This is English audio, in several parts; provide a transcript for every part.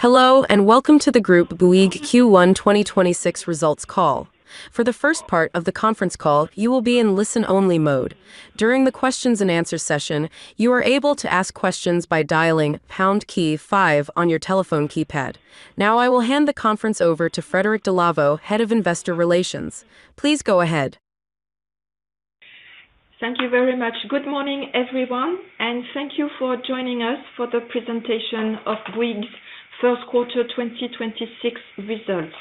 Hello and welcome to the group Bouygues Q1 2026 results call. For the first part of the conference call, you will be in listen only mode. During the questions-and-answers session you are able to ask question by dialing pound key five on your telephone keypad. Now I will hand the conference over to Frédérique Delavaud, Head of Investor Relations. Please go ahead. Thank you very much. Good morning, everyone, and thank you for joining us for the presentation of Bouygues first quarter 2026 results.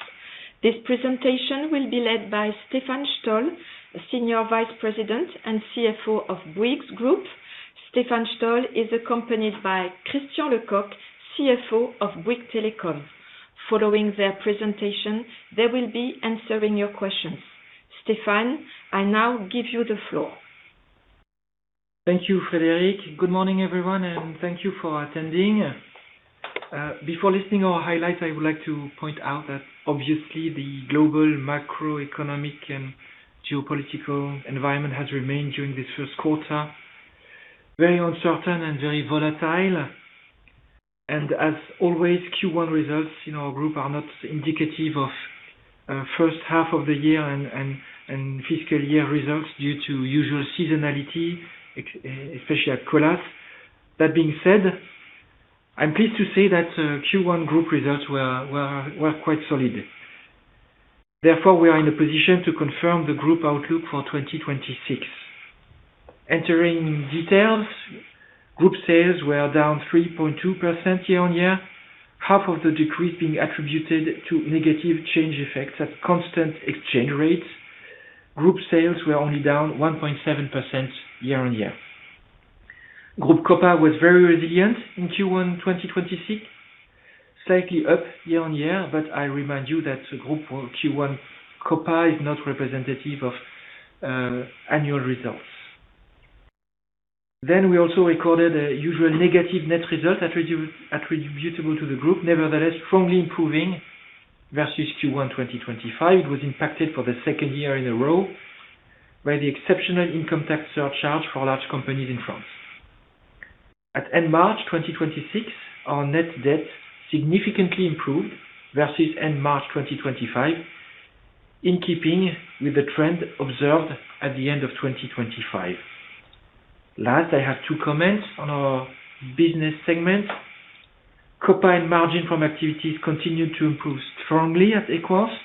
This presentation will be led by Stéphane Stoll, Senior Vice President and CFO of Bouygues Group. Stéphane Stoll is accompanied by Christian Lecoq, CFO of Bouygues Telecom. Following their presentation, they will be answering your questions. Stéphane, I now give you the floor. Thank you, Frédérique. Good morning, everyone, and thank you for attending. Before listing our highlights, I would like to point out that obviously the global macroeconomic and geopolitical environment has remained during this first quarter, very uncertain and very volatile. As always, Q1 results in our group are not indicative of first half of the year and fiscal year results due to usual seasonality, especially at Colas. That being said, I'm pleased to say that Q1 group results were quite solid. Therefore, we are in a position to confirm the group outlook for 2026. Entering details, group sales were down 3.2% year-on-year. Half of the decrease being attributed to negative change effects at constant exchange rates. Group sales were only down 1.7% year-on-year. Group COPA was very resilient in Q1 2026, slightly up year-on-year, I remind you that group Q1 COPA is not representative of annual results. We also recorded a usual negative net result attributable to the group, nevertheless, strongly improving versus Q1 2025. It was impacted for the second year in a row by the exceptional income tax surcharge for large companies in France. At end March 2026, our net debt significantly improved versus end March 2025, in keeping with the trend observed at the end of 2025. I have two comments on our business segment. COPA and margin from activities continued to improve strongly at Equans,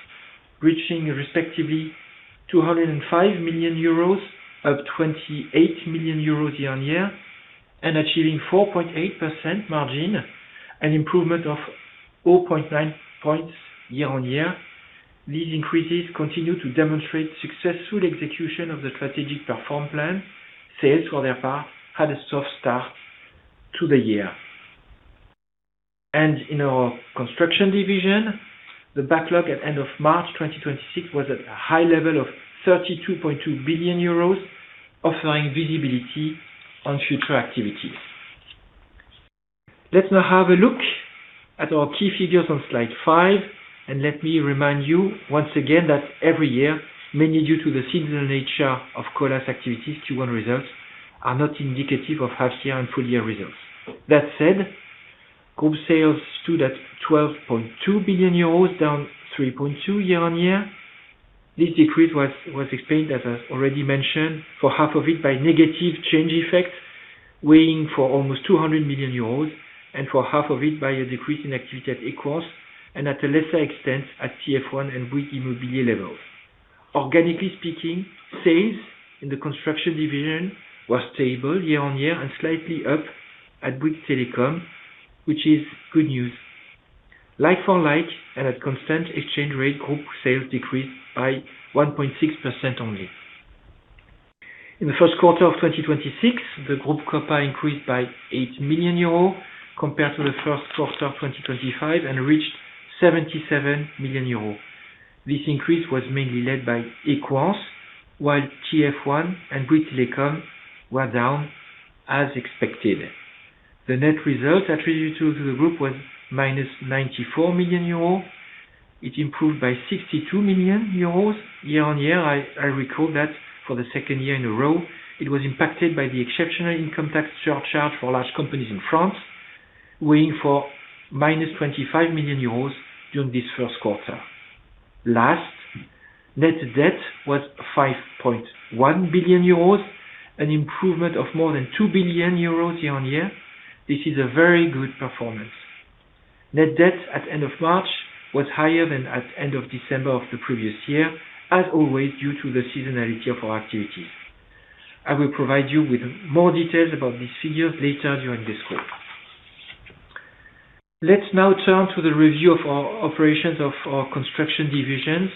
reaching respectively 205 million euros, up 28 million euros year-on-year, and achieving 4.8% margin, an improvement of 0.9 percentage points year-on-year. These increases continue to demonstrate successful execution of the strategic Perform plan. Sales, for their part, had a soft start to the year. In our construction division, the backlog at end of March 2026 was at a high level of 32.2 billion euros, offering visibility on future activities. Let's now have a look at our key figures on slide five, and let me remind you once again that every year, mainly due to the seasonal nature of Colas activities, Q1 results are not indicative of half-year and full-year results. That said, group sales stood at 12.2 billion euros, down 3.2% year-on-year. This decrease was explained, as I've already mentioned, for half of it by negative change effects, weighing for almost 200 million euros, and for half of it by a decrease in activity at Equans, and at a lesser extent, at TF1 and Bouygues Immobilier level. Organically speaking, sales in the construction division was stable year-on-year and slightly up at Bouygues Telecom, which is good news. Like-for-like and at constant exchange rate, group sales decreased by 1.6% only. In the first quarter of 2026, the group COPA increased by 8 million euros compared to the first quarter of 2025 and reached 77 million euros. This increase was mainly led by Equans, while TF1 and Bouygues Telecom were down as expected. The net result attributed to the group was minus 94 million euro. It improved by 62 million euros year-on-year. I recall that for the second year in a row, it was impacted by the exceptional income tax surcharge for large companies in France, weighing for -25 million euros during this first quarter. Last, net debt was 5.1 billion euros, an improvement of more than 2 billion euros year-on-year. This is a very good performance. Net debt at end of March was higher than at end of December of the previous year, as always, due to the seasonality of our activity. I will provide you with more details about these figures later during this call. Let's now turn to the review of our operations of our construction divisions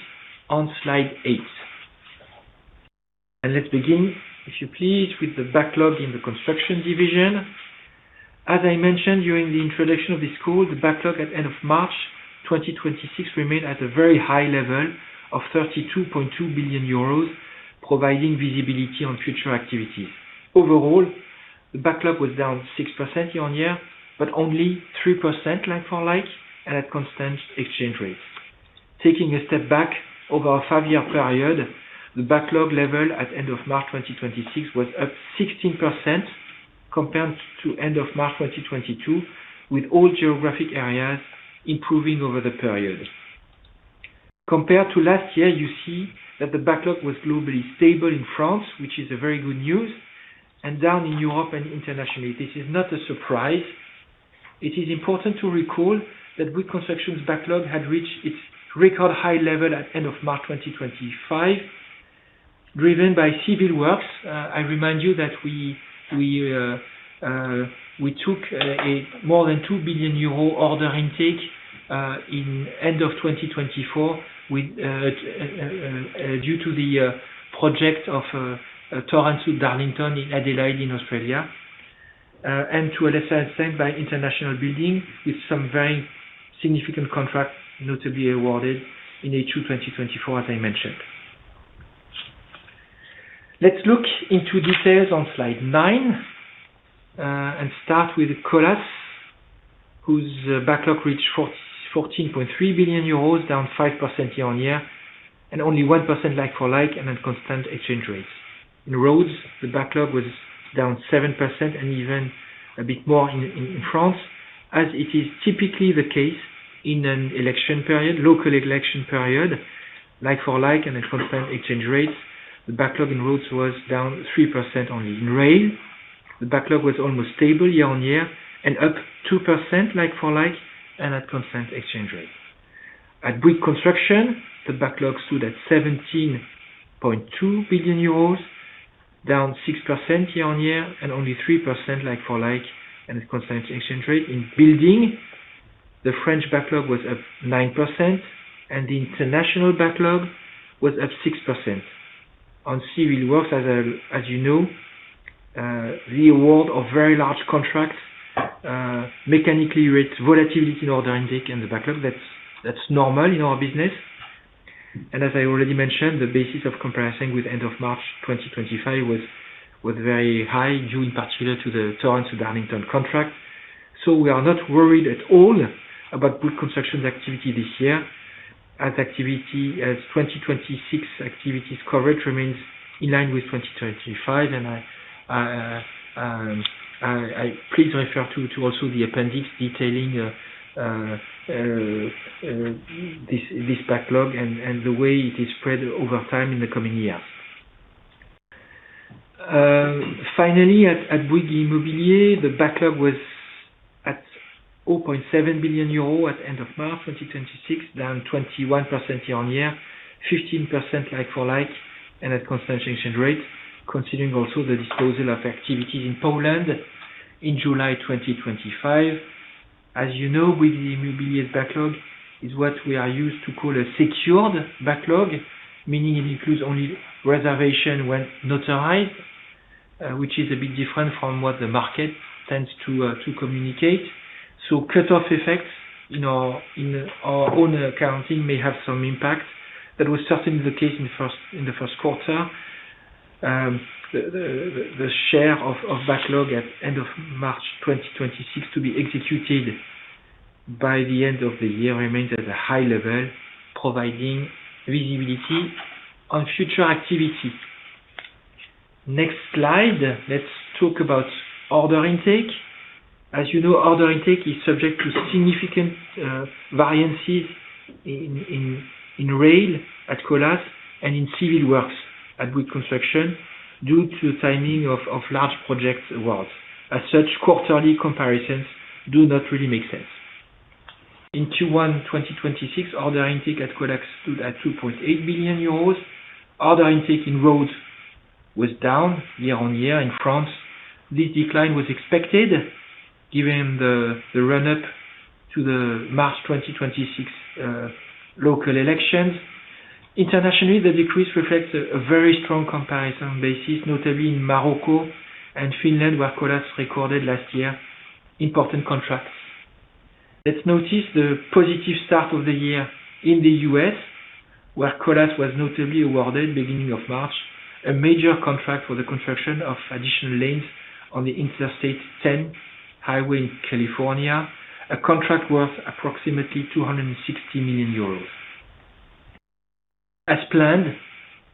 on slide eight. Let's begin, if you please, with the backlog in the construction division. As I mentioned during the introduction of this call, the backlog at end of March 2026 remained at a very high level of 32.2 billion euros, providing visibility on future activities. Overall, the backlog was down 6% year-on-year, but only 3% like-for-like at constant exchange rates. Taking a step back over our five-year period, the backlog level at end of March 2026 was up 16% compared to end of March 2022, with all geographic areas improving over the period. Compared to last year, you see that the backlog was globally stable in France, which is a very good news, and down in Europe and internationally. This is not a surprise. It is important to recall that Bouygues Construction's backlog had reached its record high level at end of March 2025, driven by civil works. I remind you that we took a more than 2 billion euro order intake in end of 2024 with due to the project of Torrens to Darlington in Adelaide in Australia, and to a lesser extent by International Building with some very significant contract notably awarded in H2 2024, as I mentioned. Let's look into details on slide nine and start with Colas, whose backlog reached 14.3 billion euros, down 5% year-on-year, and only 1% like-for-like and at constant exchange rates. In roads, the backlog was down 7% and even a bit more in France, as it is typically the case in an election period, local election period. Like-for-like and at constant exchange rates, the backlog in roads was down 3% only. In rail, the backlog was almost stable year-on-year and up 2% like-for-like and at constant exchange rate. At Bouygues Construction, the backlog stood at 17.2 billion euros, down 6% year-on-year and only 3% like-for-like and at constant exchange rate. In building, the French backlog was up 9%, and the international backlog was up 6%. On civil works, as you know, the award of very large contracts mechanically rates volatility in order intake and the backlog. That's normal in our business. As I already mentioned, the basis of comparison with end of March 2025 was very high, due in particular to the Torrens to Darlington contract. We are not worried at all about Bouygues Construction's activity this year as 2026 activity's coverage remains in line with 2025. I, please refer to also the appendix detailing this backlog and the way it is spread over time in the coming years. Finally, at Bouygues Immobilier, the backlog was at 0.7 billion euro at end of March 2026, down 21% year-on-year, 15% like-for-like, and at constant exchange rate, considering also the disposal of activities in Poland in July 2025. As you know, Bouygues Immobilier's backlog is what we are used to call a secured backlog, meaning it includes only reservation when notarized, which is a bit different from what the market tends to communicate. Cutoff effects in our own accounting may have some impact. That was certainly the case in the first quarter. The share of backlog at end of March 2026 to be executed by the end of the year remains at a high level, providing visibility on future activity. Next slide, let's talk about order intake. As you know, order intake is subject to significant variances in rail at Colas and in civil works at Bouygues Construction due to timing of large project awards. As such, quarterly comparisons do not really make sense. In Q1 2026, order intake at Colas stood at 2.8 billion euros. Order intake in roads was down year-on-year in France. This decline was expected given the run-up to the March 2026 local elections. Internationally, the decrease reflects a very strong comparison basis, notably in Morocco and Finland, where Colas recorded last year important contracts. Let's notice the positive start of the year in the U.S., where Colas was notably awarded beginning of March, a major contract for the construction of additional lanes on the Interstate 10 highway in California, a contract worth approximately 260 million euros. As planned,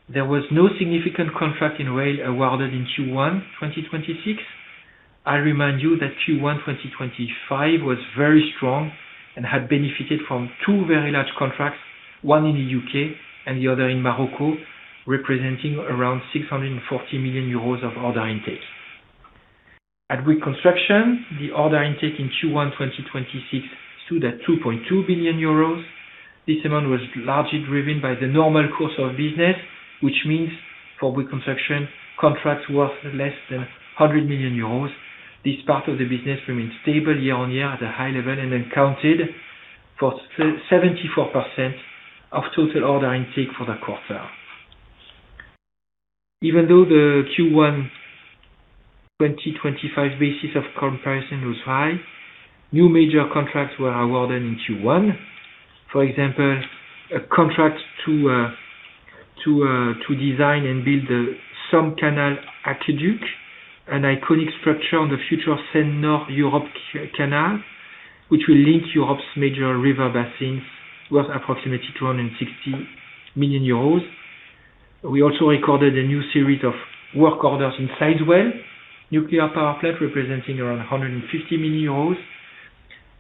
there was no significant contract in rail awarded in Q1 2026. I remind you that Q1 2025 was very strong and had benefited from two very large contracts, one in the U.K. and the other in Morocco, representing around 640 million euros of order intake. At Bouygues Construction, the order intake in Q1 2026 stood at 2.2 billion euros. This amount was largely driven by the normal course of business, which means for Bouygues Construction, contracts worth less than 100 million euros. This part of the business remains stable year-on-year at a high level and accounted for 74% of total order intake for the quarter. Even though the Q1 2025 basis of comparison was high, new major contracts were awarded in Q1. For example, a contract to design and build some canal aqueduct, an iconic structure on the future Seine-Nord Europe Canal, which will link Europe's major river basins worth approximately 260 million euros. We also recorded a new series of work orders in Sizewell C nuclear power station, representing around 150 million euros,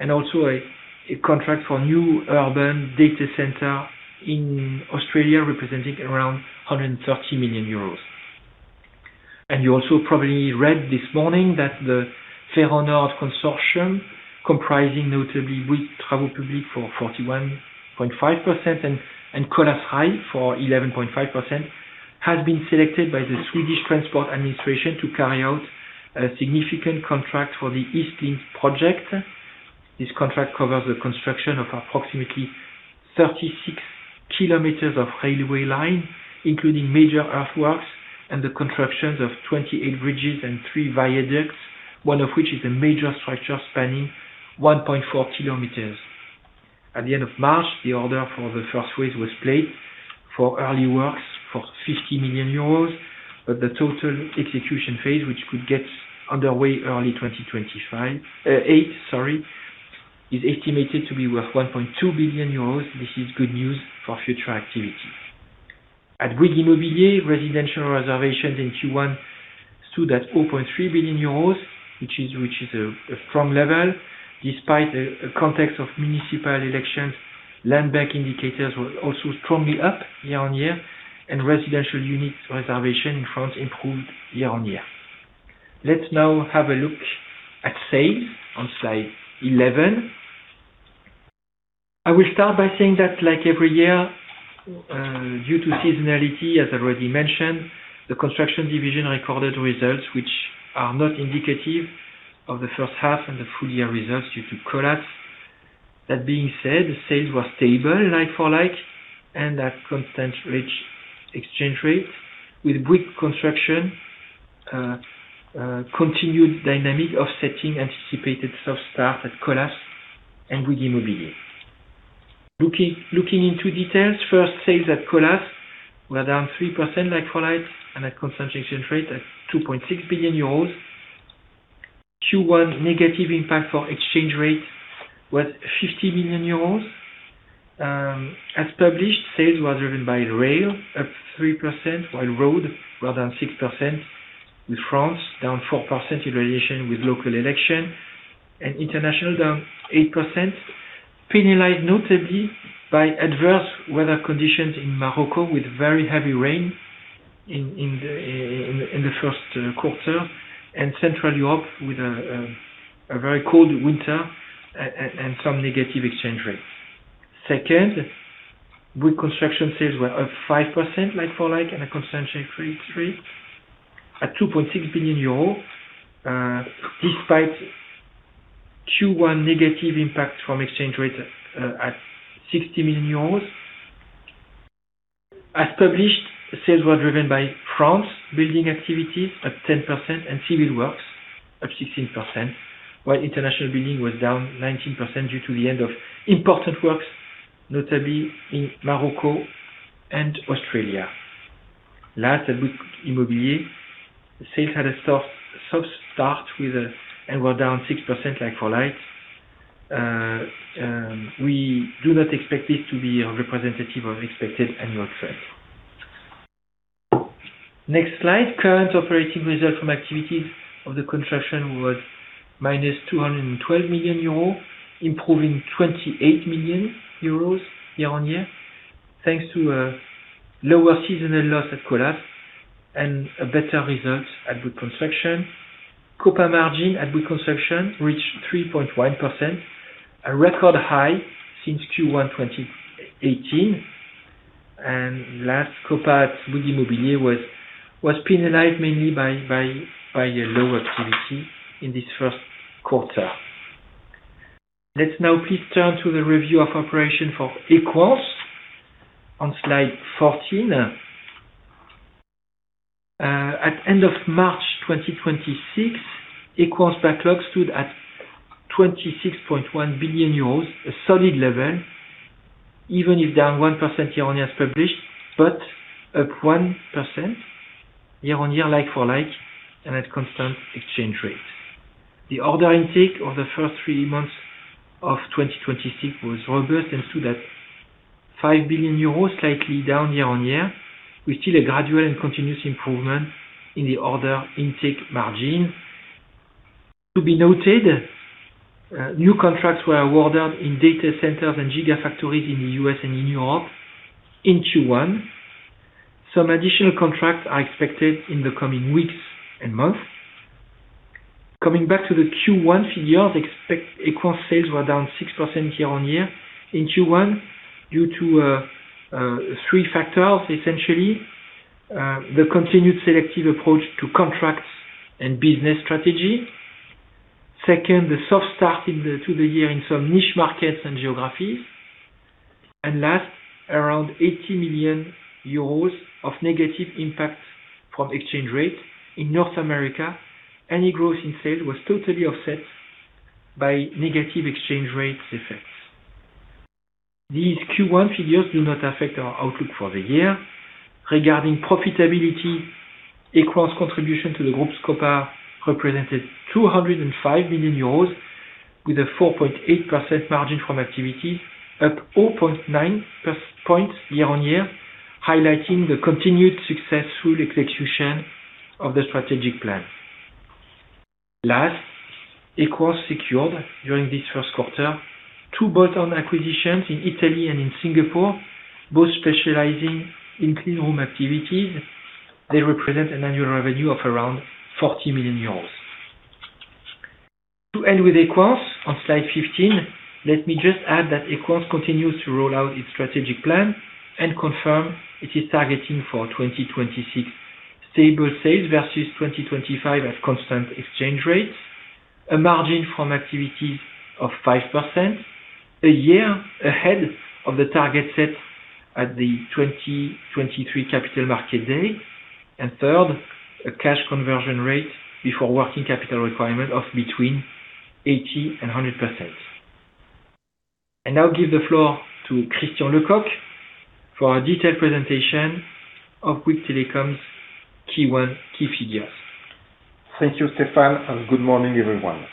and also a contract for new urban data center in Australia, representing around 130 million euros. You also probably read this morning that the Feronord Consortium, comprising notably with Travaux Publics for 41.5% and Colas Rail for 11.5%, has been selected by the Swedish Transport Administration to carry out a significant contract for the East Link project. This contract covers the construction of approximately 36 km of railway line, including major earthworks and the constructions of 28 bridges and three viaducts, one of which is a major structure spanning 1.4 km. At the end of March, the order for the first phase was placed for early works for 50 million euros, but the total execution phase, which could get underway early 2025, is estimated to be worth 1.2 billion euros. This is good news for future activity. At Bouygues Immobilier, residential reservations in Q1 stood at 0.3 billion euros, which is a strong level, despite a context of municipal elections. Land bank indicators were also strongly up year-on-year, residential units reservation in France improved year-on-year. Let's now have a look at sales on slide 11. I will start by saying that like every year, due to seasonality, as already mentioned, the construction division recorded results which are not indicative of the first half and the full year results due to Colas. That being said, sales were stable like-for-like and at constant exchange rate, with Bouygues Construction continued dynamic offsetting anticipated soft start at Colas and Bouygues Immobilier. Looking into details, first, sales at Colas were down 3% like-for-like and a constant exchange rate at 2.6 billion euros. Q1 negative impact for exchange rate was 50 million euros. As published, sales was driven by rail, up 3%, while road were down 6%, with France down 4% in relation with local election, and international down 8%, penalized notably by adverse weather conditions in Morocco with very heavy rain in the first quarter, and Central Europe with a very cold winter and some negative exchange rates. Second, Bouygues Construction sales were up 5% like-for-like and a constant exchange rate at 2.6 billion euro, despite Q1 negative impact from exchange rate at 60 million euros. As published, sales were driven by France building activities up 10% and civil works up 16%, while international building was down 19% due to the end of important works, notably in Morocco and Australia. Last, at Bouygues Immobilier, sales had a soft start and were down 6% like-for-like. We do not expect this to be representative of expected annual trend. Next slide. Current operating results from activities of the construction was -212 million euro, improving 28 million euros year-on-year, thanks to lower seasonal loss at Colas and better results at Bouygues Construction. COPA margin at Bouygues Construction reached 3.1%, a record high since Q1 2018. Last, COPA at Bouygues Immobilier was penalized mainly by a low activity in this first quarter. Let's now please turn to the review of operation for Equans on slide 14. At end of March 2026, Equans backlog stood at 26.1 billion euros, a solid level, even if down 1% year-on-year as published, but up 1% year-on-year like-for-like and at constant exchange rate. The order intake of the first three months of 2026 was robust and stood at 5 billion euros, slightly down year-on-year. We see a gradual and continuous improvement in the order intake margin. To be noted, new contracts were awarded in data centers and giga factories in the U.S. and in Europe in Q1. Some additional contracts are expected in the coming weeks and months. Coming back to the Q1 figures, expect Equans sales were down 6% year-on-year in Q1 due to three factors, essentially. The continued selective approach to contracts and business strategy. Second, the soft start to the year in some niche markets and geographies. Last, around 80 million euros of negative impact from exchange rate. In North America, any growth in sales was totally offset by negative exchange rate effects. These Q1 figures do not affect our outlook for the year. Regarding profitability, Equans contribution to the group scope represented 205 million euros with a 4.8% margin from activity, up 0.9 percentage points year-on-year, highlighting the continued successful execution of the Strategic Plan. Last, Equans secured during this first quarter two bolt-on acquisitions in Italy and in Singapore, both specializing in clean room activities. They represent an annual revenue of around 40 million euros. To end with Equans on slide 15, let me just add that Equans continues to roll out its strategic plan and confirm it is targeting for 2026 stable sales versus 2025 at constant exchange rates. A margin from activities of 5%, a year ahead of the target set at the 2023 Capital Market Day. Third, a cash conversion rate before working capital requirement of between 80% and 100%. I now give the floor to Christian Lecoq for a detailed presentation of Bouygues Telecom's Q1 key figures. Thank you, Stéphane, and good morning, everyone.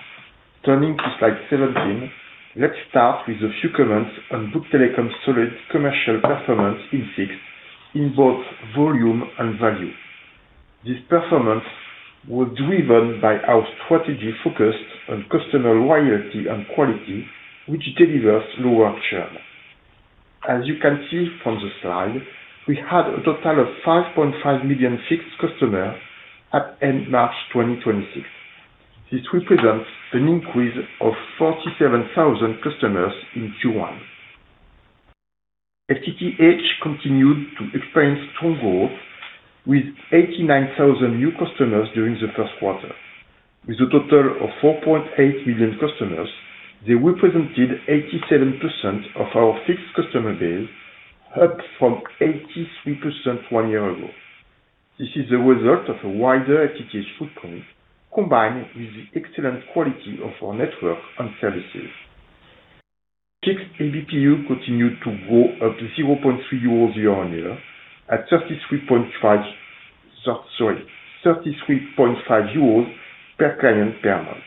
Turning to slide 17, let's start with a few comments on Bouygues Telecom's solid commercial performance in fixed in both volume and value. This performance was driven by our strategy focused on customer loyalty and quality, which delivers lower churn. As you can see from the slide, we had a total of 5.5 million fixed customers at end March 2026. This represents an increase of 47,000 customers in Q1. FTTH continued to experience strong growth with 89,000 new customers during the first quarter. With a total of 4.8 million customers, they represented 87% of our fixed customer base, up from 83% one year ago. This is a result of a wider FTTH footprint, combined with the excellent quality of our network and services. Fixed ABPU continued to grow 0.3 euros year-on-year at 33.5 per client per month.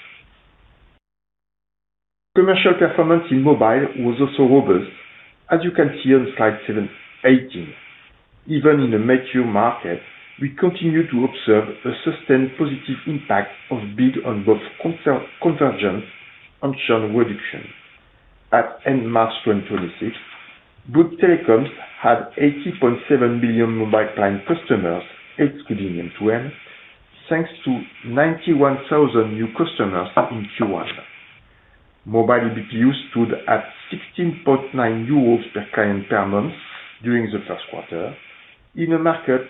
Commercial performance in mobile was also robust, as you can see on slide 18. Even in a mature market, we continue to observe a sustained positive impact of build on both convergence and churn reduction. At end March 2026, Bouygues Telecom had [18.7] million mobile plan customers, excluding M2M, thanks to 91,000 new customers in Q1. Mobile ABPU stood at 16.9 euros per client per month during the first quarter in a market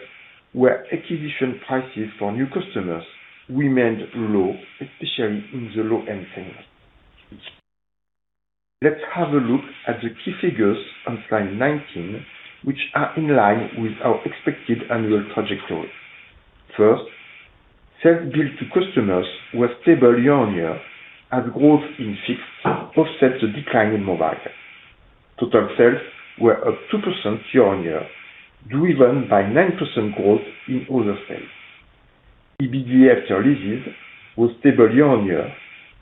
where acquisition prices for new customers remained low, especially in the low-end segment. Let's have a look at the key figures on slide 19, which are in line with our expected annual trajectory. First, sales billed to customers were stable year-on-year as growth in fixed offset the decline in mobile. Total sales were up 2% year-on-year, driven by 9% growth in other sales. EBITDA after leases was stable year-on-year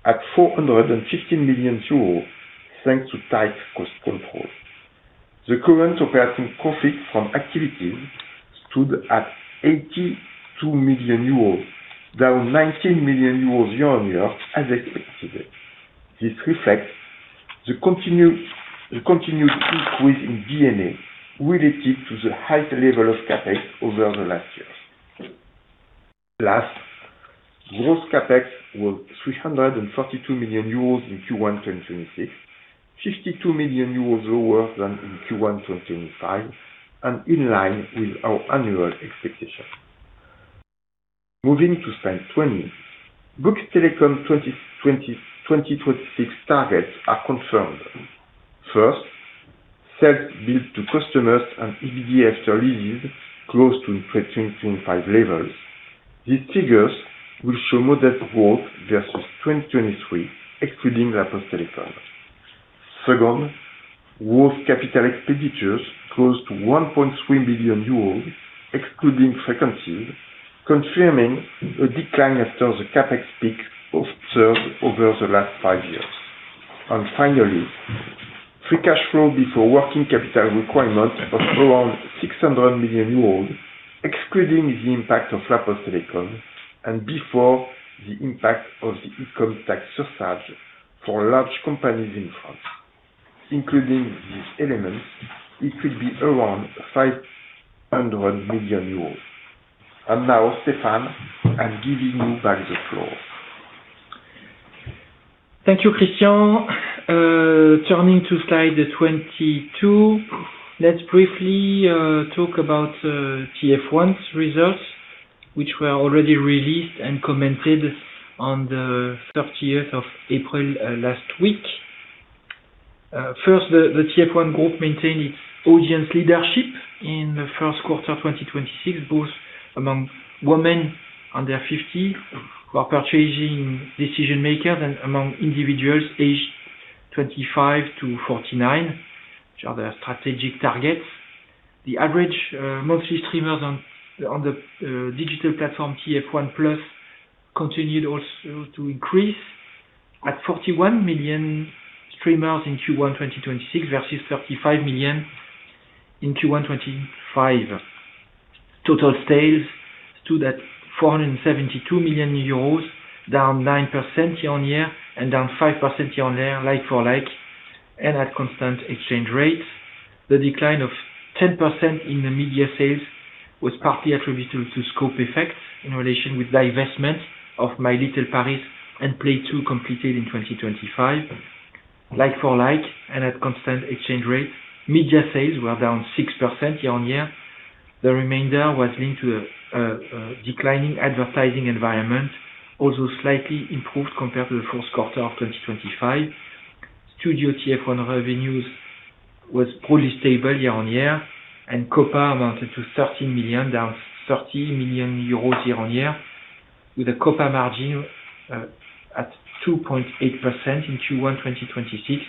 at 415 million euros, thanks to tight cost control. The Current Operating Profit from Activities stood at 82 million euros, down 19 million euros year-on-year as expected. This reflects the continued increase in D&A related to the high level of CapEx over the last year. Gross CapEx was 332 million euros in Q1 2026, 62 million euros lower than in Q1 2025 and in line with our annual expectation. Moving to slide 20, Bouygues Telecom 2026 targets are confirmed. First, sales billed to customers and EBITDA after leases close to 2025 levels. These figures will show moderate growth versus 2023, excluding La Poste Telecom. Second, gross capital expenditures close to 1.3 billion euros, excluding frequencies, confirming a decline after the CapEx peak observed over the last five years. Finally, free cash flow before working capital requirements of around 600 million euros, excluding the impact of La Poste Telecom and before the impact of the income tax surcharge for large companies in France. Including these elements, it could be around 500 million euros. Stéphane, I'm giving you back the floor. Thank you, Christian. Turning to slide 22, let's briefly talk about TF1's results, which were already released and commented on the 30th of April last week. First, the TF1 Group maintained its audience leadership in the first quarter 2026, both among women under 50 who are purchasing decision-makers and among individuals aged 25 to 49, which are their strategic targets. The average monthly streamers on the digital platform, TF1+, continued also to increase at 41 million streamers in Q1 2026 versus 35 million in Q1 2025. Total sales stood at 472 million euros, down 9% year-on-year and down 5% year-on-year, like-for-like, and at constant exchange rates. The decline of 10% in the media sales was partly attributable to scope effects in relation with divestment of My Little Paris and Play Two completed in 2025. Like-for-like and at constant exchange rate, media sales were down 6% year-on-year. The remainder was linked to the declining advertising environment, also slightly improved compared to the first quarter of 2025. Studio TF1 revenues was broadly stable year-on-year, COPA amounted to 13 million, down 30 million euros year-on-year, with a COPA margin at 2.8% in Q1 2026.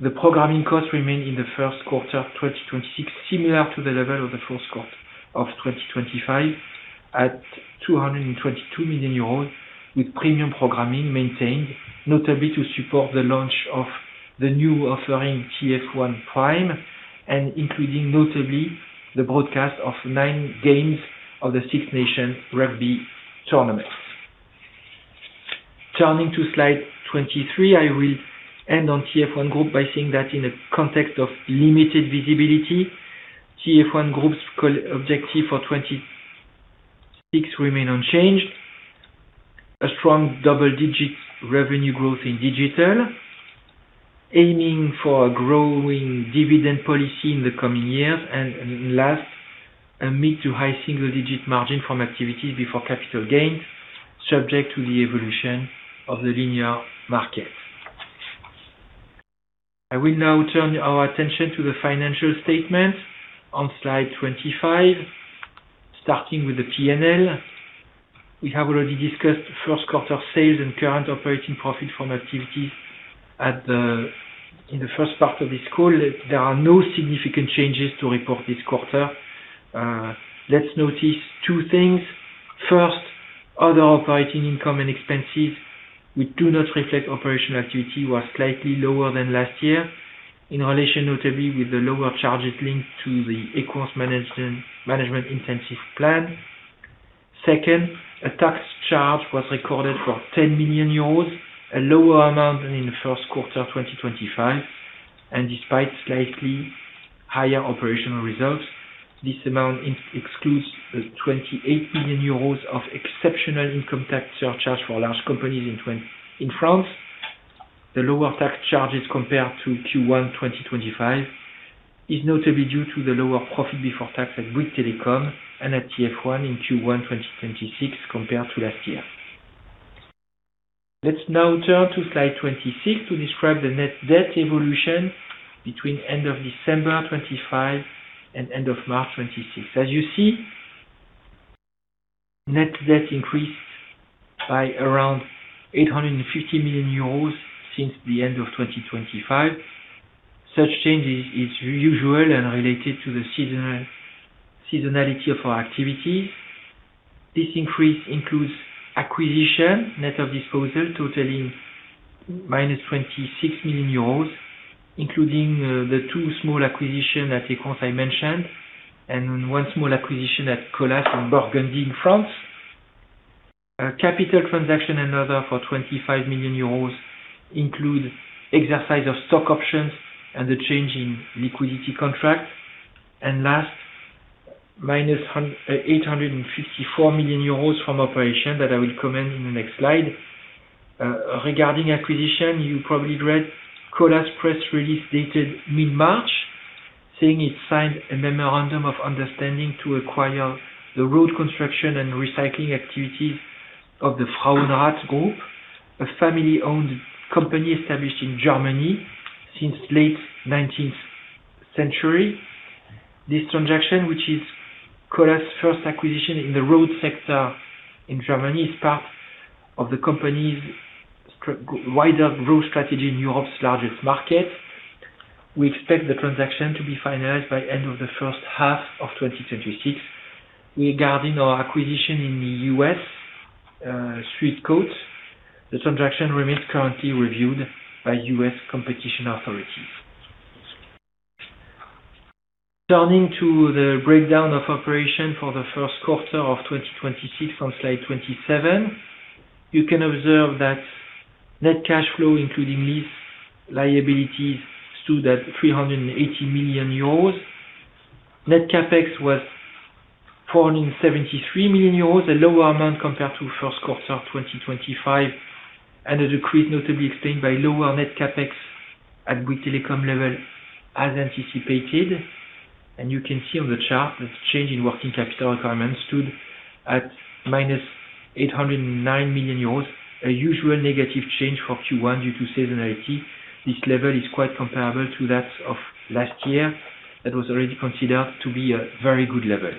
The programming cost remained in the first quarter of 2026, similar to the level of the first quarter of 2025 at 222 million euros, with premium programming maintained, notably to support the launch of the new offering, TF1+, and including notably the broadcast of nine games of the Six Nations rugby tournament. Turning to slide 23, I will end on TF1 Group by saying that in a context of limited visibility, TF1 Group's objective for 2026 remain unchanged. A strong double-digit revenue growth in digital, aiming for a growing dividend policy in the coming years. Last, a mid-to-high single-digit margin from activities before capital gains, subject to the evolution of the linear market. I will now turn our attention to the financial statement on slide 25, starting with the P&L. We have already discussed first quarter sales and current operating profit from activities in the first part of this call. There are no significant changes to report this quarter. Let's notice two things. First, other operating income and expenses, which do not reflect operational activity, was slightly lower than last year in relation notably with the lower charges linked to the Equans management incentive plan. Second, a tax charge was recorded for 10 million euros, a lower amount than in Q1 2025, despite slightly higher operational results. This amount excludes the 28 million euros of exceptional income tax surcharge for large companies in France. The lower tax charges compared to Q1 2025 is notably due to the lower profit before tax at Bouygues Telecom and at TF1 in Q1 2026 compared to last year. Let's now turn to slide 26 to describe the net debt evolution between end of December 2025 and end of March 2026. As you see, net debt increased by around 850 million euros since the end of 2025. Such change is usual and related to the seasonality of our activities. This increase includes acquisition, net of disposal, totaling -26 million euros, including the two small acquisition at Equans I mentioned, and one small acquisition at Colas in Burgundy in France. Capital transaction and other for 25 million euros include exercise of stock options and the change in liquidity contract. Last, -854 million euros from operation that I will comment in the next slide. Regarding acquisition, you probably read Colas' press release dated mid-March, saying it signed a memorandum of understanding to acquire the road construction and recycling activities of the Fraunhofer-Gesellschaft, a family-owned company established in Germany since late 19th century. This transaction, which is Colas' first acquisition in the road sector in Germany, is part of the company's wider growth strategy in Europe's largest market. We expect the transaction to be finalized by end of the first half of 2026. Regarding our acquisition in the U.S., Suit-Kote, the transaction remains currently reviewed by U.S. competition authorities. Turning to the breakdown of operation for the first quarter of 2026 on slide 27, you can observe that net cash flow, including lease liabilities, stood at 380 million euros. Net CapEx was 473 million euros, a lower amount compared to first quarter of 2025, and a decrease notably explained by lower net CapEx at Bouygues Telecom level as anticipated. You can see on the chart that the change in working capital requirements stood at minus 809 million euros, a usual negative change for Q1 due to seasonality. This level is quite comparable to that of last year. That was already considered to be a very good level.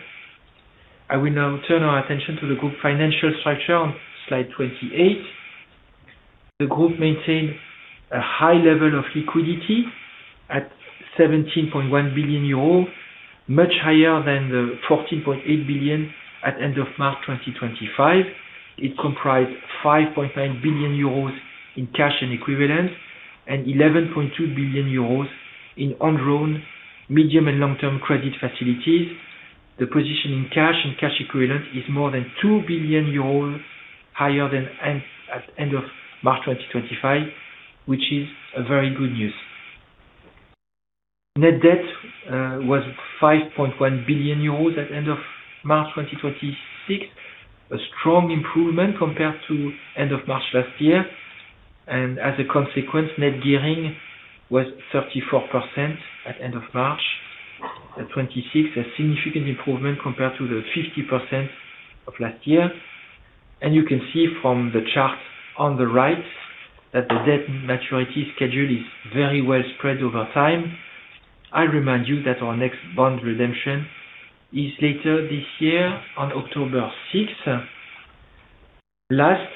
I will now turn our attention to the group financial structure on slide 28. The group maintained a high level of liquidity at 17.1 billion euro, much higher than 14.8 billion at end of March 2025. It comprised 5.9 billion euros in cash and equivalents, and 11.2 billion euros in undrawn medium and long-term credit facilities. The position in cash and cash equivalents is more than 2 billion euros higher than at end of March 2025, which is a very good news. Net debt was 5.1 billion euros at end of March 2026. A strong improvement compared to end of March last year. As a consequence, net gearing was 34% at end of March 2026. A significant improvement compared to the 50% of last year. You can see from the chart on the right that the debt maturity schedule is very well spread over time. I remind you that our next bond redemption is later this year on October 6. Last,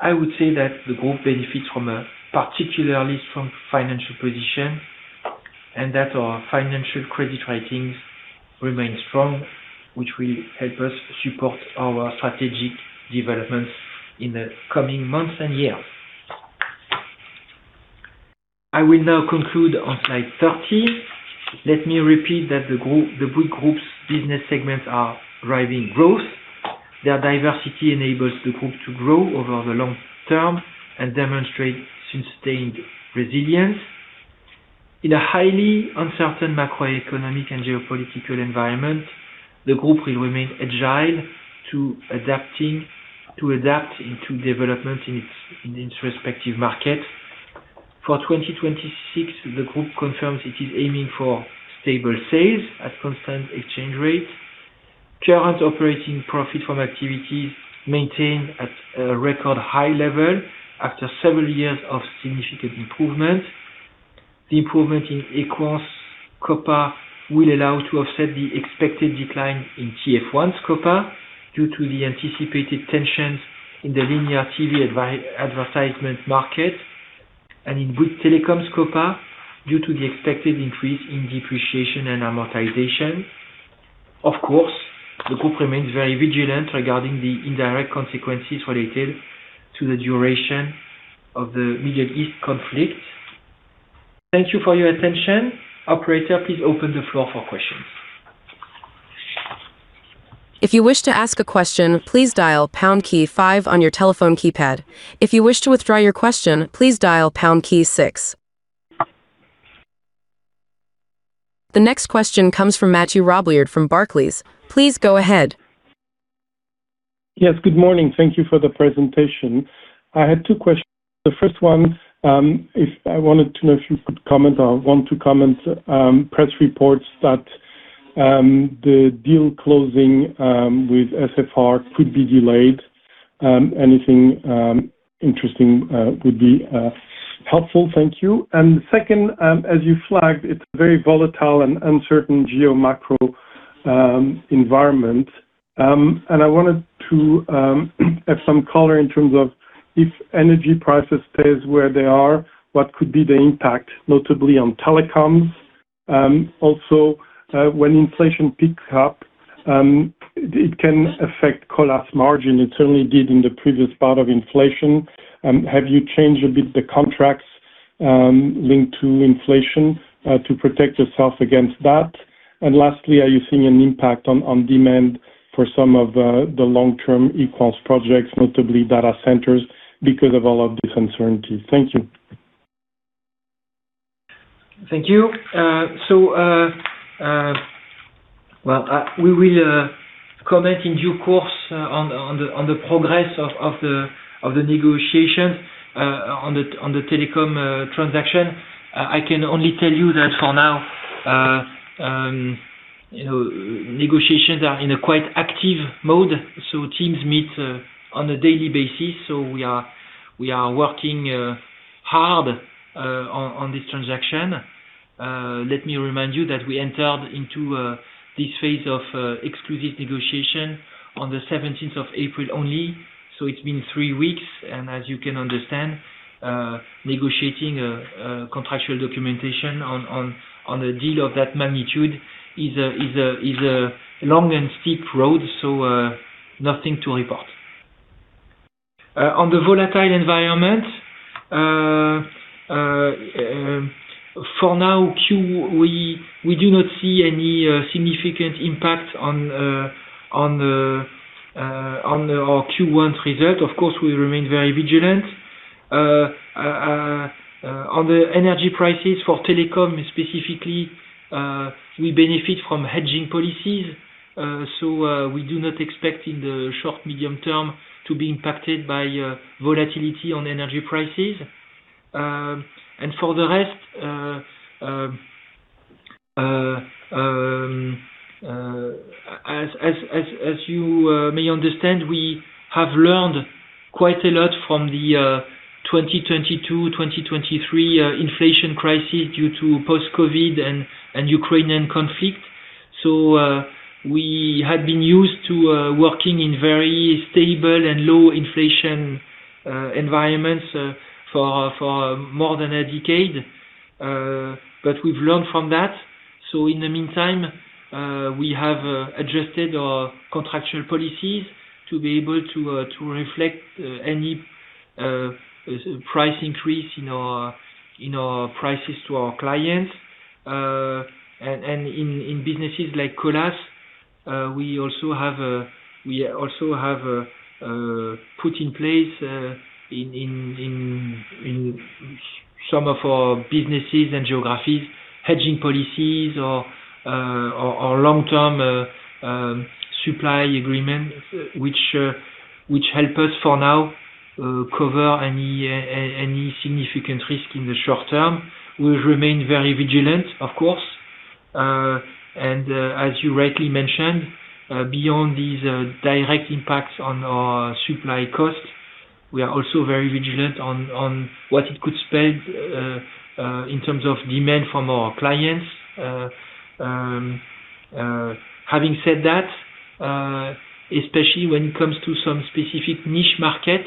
I would say that the group benefits from a particularly strong financial position, and that our financial credit ratings remain strong, which will help us support our strategic developments in the coming months and years. I will now conclude on slide 30. Let me repeat that the Bouygues Group's business segments are driving growth. Their diversity enables the group to grow over the long term and demonstrate sustained resilience. In a highly uncertain macroeconomic and geopolitical environment, the group will remain agile to adapt into development in its respective markets. For 2026, the group confirms it is aiming for stable sales at constant exchange rates. Current operating profit from activities maintained at a record high level after several years of significant improvement. The improvement in Equans' COPA will allow to offset the expected decline in TF1's COPA due to the anticipated tensions in the linear TV advertisement market. In Bouygues Telecom's COPA due to the expected increase in depreciation and amortization. Of course, the group remains very vigilant regarding the indirect consequences related to the duration of the Middle East conflict. Thank you for your attention. Operator, please open the floor for questions. The next question comes from Mathieu Robilliard from Barclays. Please go ahead. Yes, good morning. Thank you for the presentation. I had two questions. The first one, I wanted to know if you could comment or want to comment, press reports that the deal closing with SFR could be delayed. Anything interesting would be helpful. Thank you. Second, as you flagged, it's a very volatile and uncertain geo-macro environment. I wanted to have some color in terms of if energy prices stays where they are, what could be the impact, notably on telecoms. Also, when inflation picks up, it can affect Colas' margin. It certainly did in the previous part of inflation. Have you changed a bit the contracts, linked to inflation, to protect yourself against that? Lastly, are you seeing an impact on demand for some of the long-term Equans projects, notably data centers, because of all of this uncertainty? Thank you. Thank you. Well, we will comment in due course on the progress of the negotiation on the telecom transaction. I can only tell you that for now, you know, negotiations are in a quite active mode, so teams meet on a daily basis. We are working hard on this transaction. Let me remind you that we entered into this phase of exclusive negotiation on April 17th only. It's been three weeks. As you can understand, negotiating contractual documentation on a deal of that magnitude is a long and steep road. Nothing to report. On the volatile environment, for now, we do not see any significant impact on our Q1 result. Of course, we remain very vigilant. On the energy prices for telecom specifically, we benefit from hedging policies. We do not expect in the short, medium term to be impacted by volatility on energy prices. For the rest, as you may understand, we have learned quite a lot from the 2022, 2023 inflation crisis due to post-COVID and Ukrainian conflict. We had been used to working in very stable and low inflation environments for more than a decade. We've learned from that. In the meantime, we have adjusted our contractual policies to be able to reflect any price increase in our prices to our clients. And in businesses like Colas, we also have put in place in some of our businesses and geographies, hedging policies or long-term supply agreement which help us for now cover any significant risk in the short term. We'll remain very vigilant, of course. And as you rightly mentioned, beyond these direct impacts on our supply costs, we are also very vigilant on what it could spend in terms of demand from our clients. Having said that, especially when it comes to some specific niche market,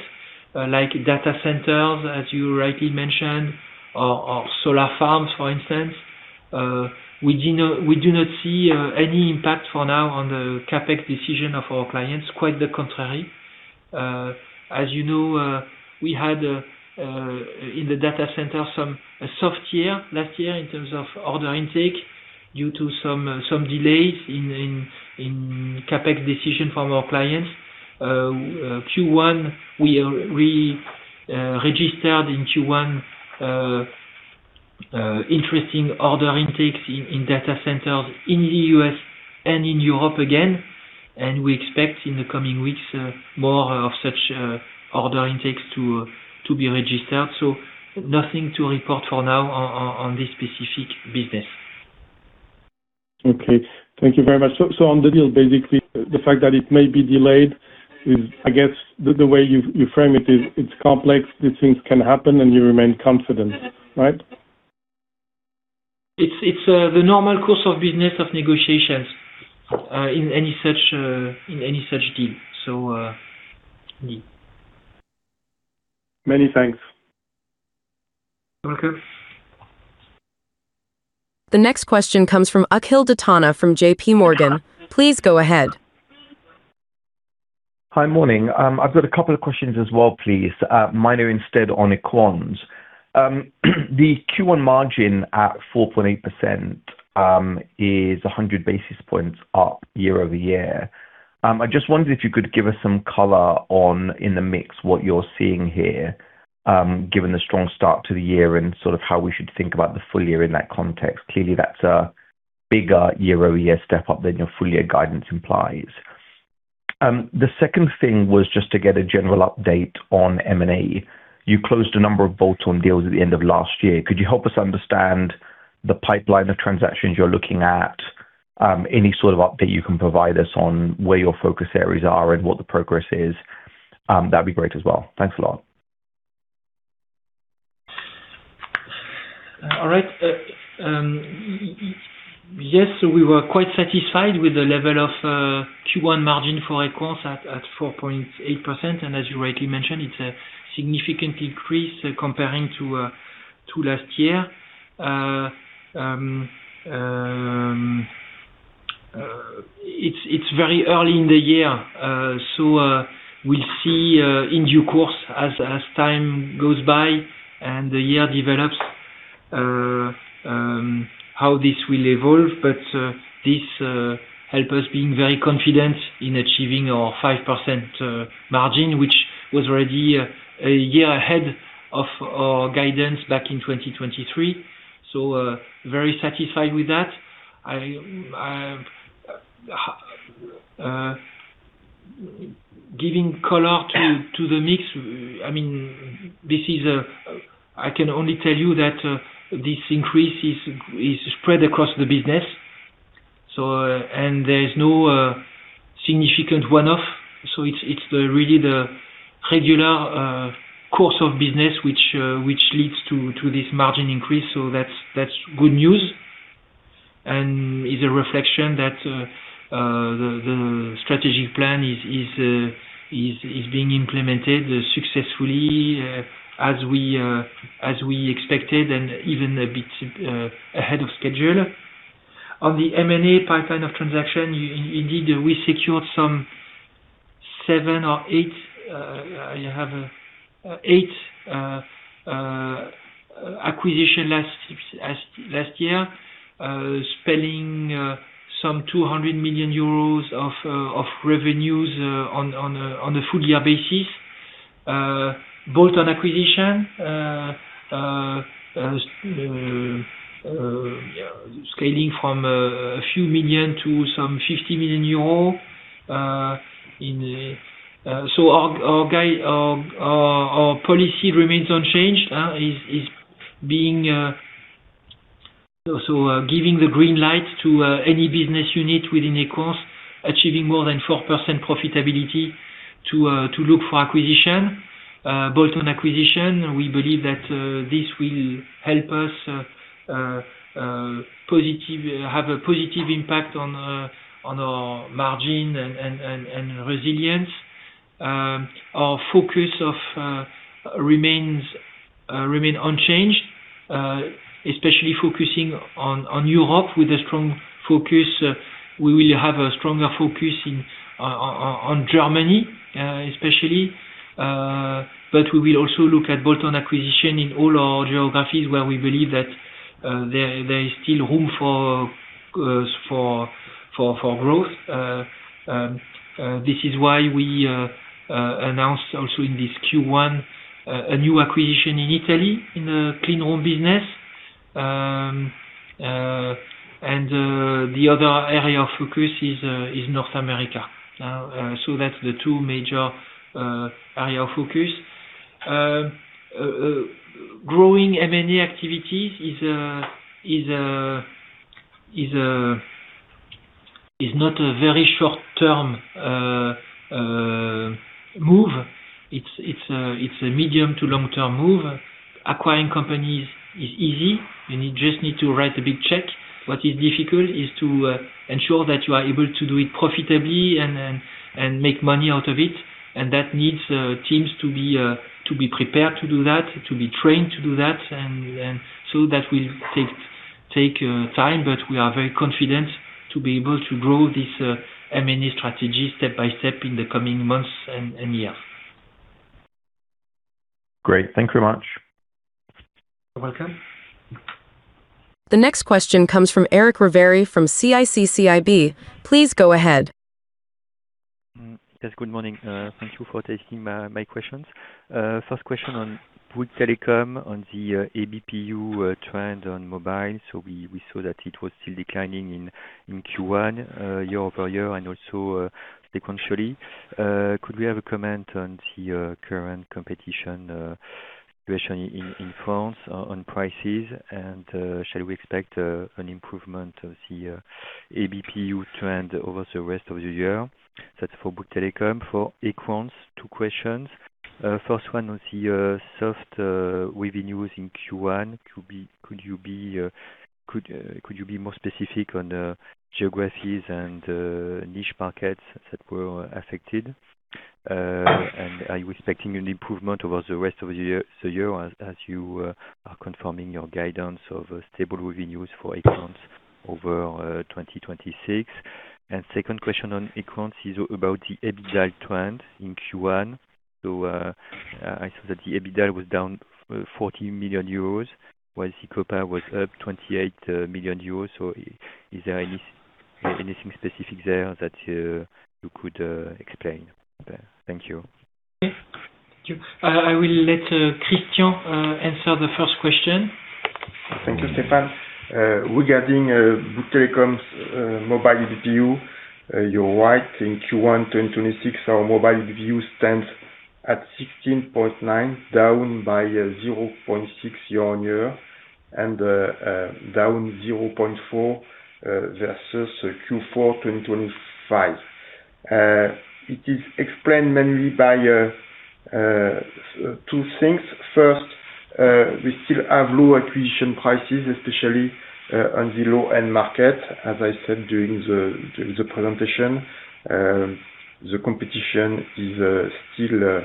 like data centers, as you rightly mentioned, or solar farms, for instance, we do not see any impact for now on the CapEx decision of our clients, quite the contrary. As you know, we had in the data center a soft year last year in terms of order intake due to some delays in CapEx decision from our clients. Q1, we registered in Q1 interesting order intakes in data centers in the U.S. and in Europe again, and we expect in the coming weeks more of such order intakes to be registered. Nothing to report for now on this specific business. Okay. Thank you very much. On the deal, basically, the fact that it may be delayed is I guess the way you frame it is it's complex, these things can happen, and you remain confident, right? It's the normal course of business of negotiations, in any such deal. Indeed. Many thanks. Welcome. The next question comes from Akhil Dattani from JPMorgan. Please go ahead. Hi. Morning. I've got a couple of questions as well, please. Mine are instead on Equans. The Q1 margin at 4.8% is 100 basis points up year-over-year. I just wondered if you could give us some color on in the mix what you're seeing here, given the strong start to the year and sort of how we should think about the full year in that context. Clearly, that's a bigger year-over-year step up than your full year guidance implies. The second thing was just to get a general update on M&A. You closed a number of bolt-on deals at the end of last year. Could you help us understand the pipeline of transactions you're looking at? Any sort of update you can provide us on where your focus areas are and what the progress is, that'd be great as well. Thanks a lot. All right. Yes, we were quite satisfied with the level of Q1 margin for Equans at 4.8%. As you rightly mentioned, it's a significant increase comparing to last year. It's very early in the year. We'll see in due course as time goes by and the year develops how this will evolve. This help us being very confident in achieving our 5% margin, which was already a year ahead of our guidance back in 2023. Very satisfied with that. Giving color to the mix, I mean, I can only tell you that this increase is spread across the business. There is no significant one-off. It's the really the regular course of business which leads to this margin increase. That's good news, and is a reflection that the strategic plan is being implemented successfully as we expected and even a bit ahead of schedule. On the M&A pipeline of transaction, indeed, we secured some seven or eight, I have eight acquisition last year, spending 200 million euros of revenues on a full year basis. Bolt-on acquisition, scaling from a few million to some EUR 50 million, our policy remains unchanged, giving the green light to any business unit within a course achieving more than 4% profitability to look for acquisition, bolt-on acquisition. We believe that this will help us have a positive impact on our margin and resilience. Our focus of remains unchanged, especially focusing on Europe with a strong focus. We will have a stronger focus in Germany especially. We will also look at bolt-on acquisition in all our geographies where we believe that there is still room for growth. This is why we announced also in this Q1 a new acquisition in Italy in the clean room business. The other area of focus is North America. That's the two major area of focus. Growing M&A activities is not a very short-term move. It's a medium to long-term move. Acquiring companies is easy. You just need to write a big check. What is difficult is to ensure that you are able to do it profitably and make money out of it. That needs teams to be prepared to do that, to be trained to do that. That will take time, but we are very confident to be able to grow this M&A strategy step by step in the coming months and years. Great. Thank you very much. You're welcome. The next question comes from Eric Ravary from CIC CIB. Please go ahead. Yes, good morning. Thank you for taking my questions. First question on Bouygues Telecom on the ABPU trend on mobile. We saw that it was still declining in Q1 year-over-year and also sequentially. Could we have a comment on the current competition situation in France on prices? Shall we expect an improvement of the ABPU trend over the rest of the year? That's for Bouygues Telecom. For Equans, two questions. First one on the soft revenues in Q1. Could you be more specific on the geographies and niche markets that were affected? Are you expecting an improvement over the rest of the year, the year as you are confirming your guidance of stable revenues for Equans over 2026? Second question on Equans is about the EBITDA trend in Q1. I saw that the EBITDA was down 14 million euros, while the COPA was up 28 million euros. Is there anything specific there that you could explain there? Thank you. Okay. Thank you. I will let Christian answer the first question. Thank you, Stéphane. Regarding Bouygues Telecom's mobile ABPU, you're right. In Q1 2026, our mobile ABPU stands at 16.9, down by 0.6 year-on-year, and down 0.4 versus Q4 2025. It is explained mainly by two things. First, we still have low acquisition prices, especially on the low-end market. As I said during the presentation, the competition is still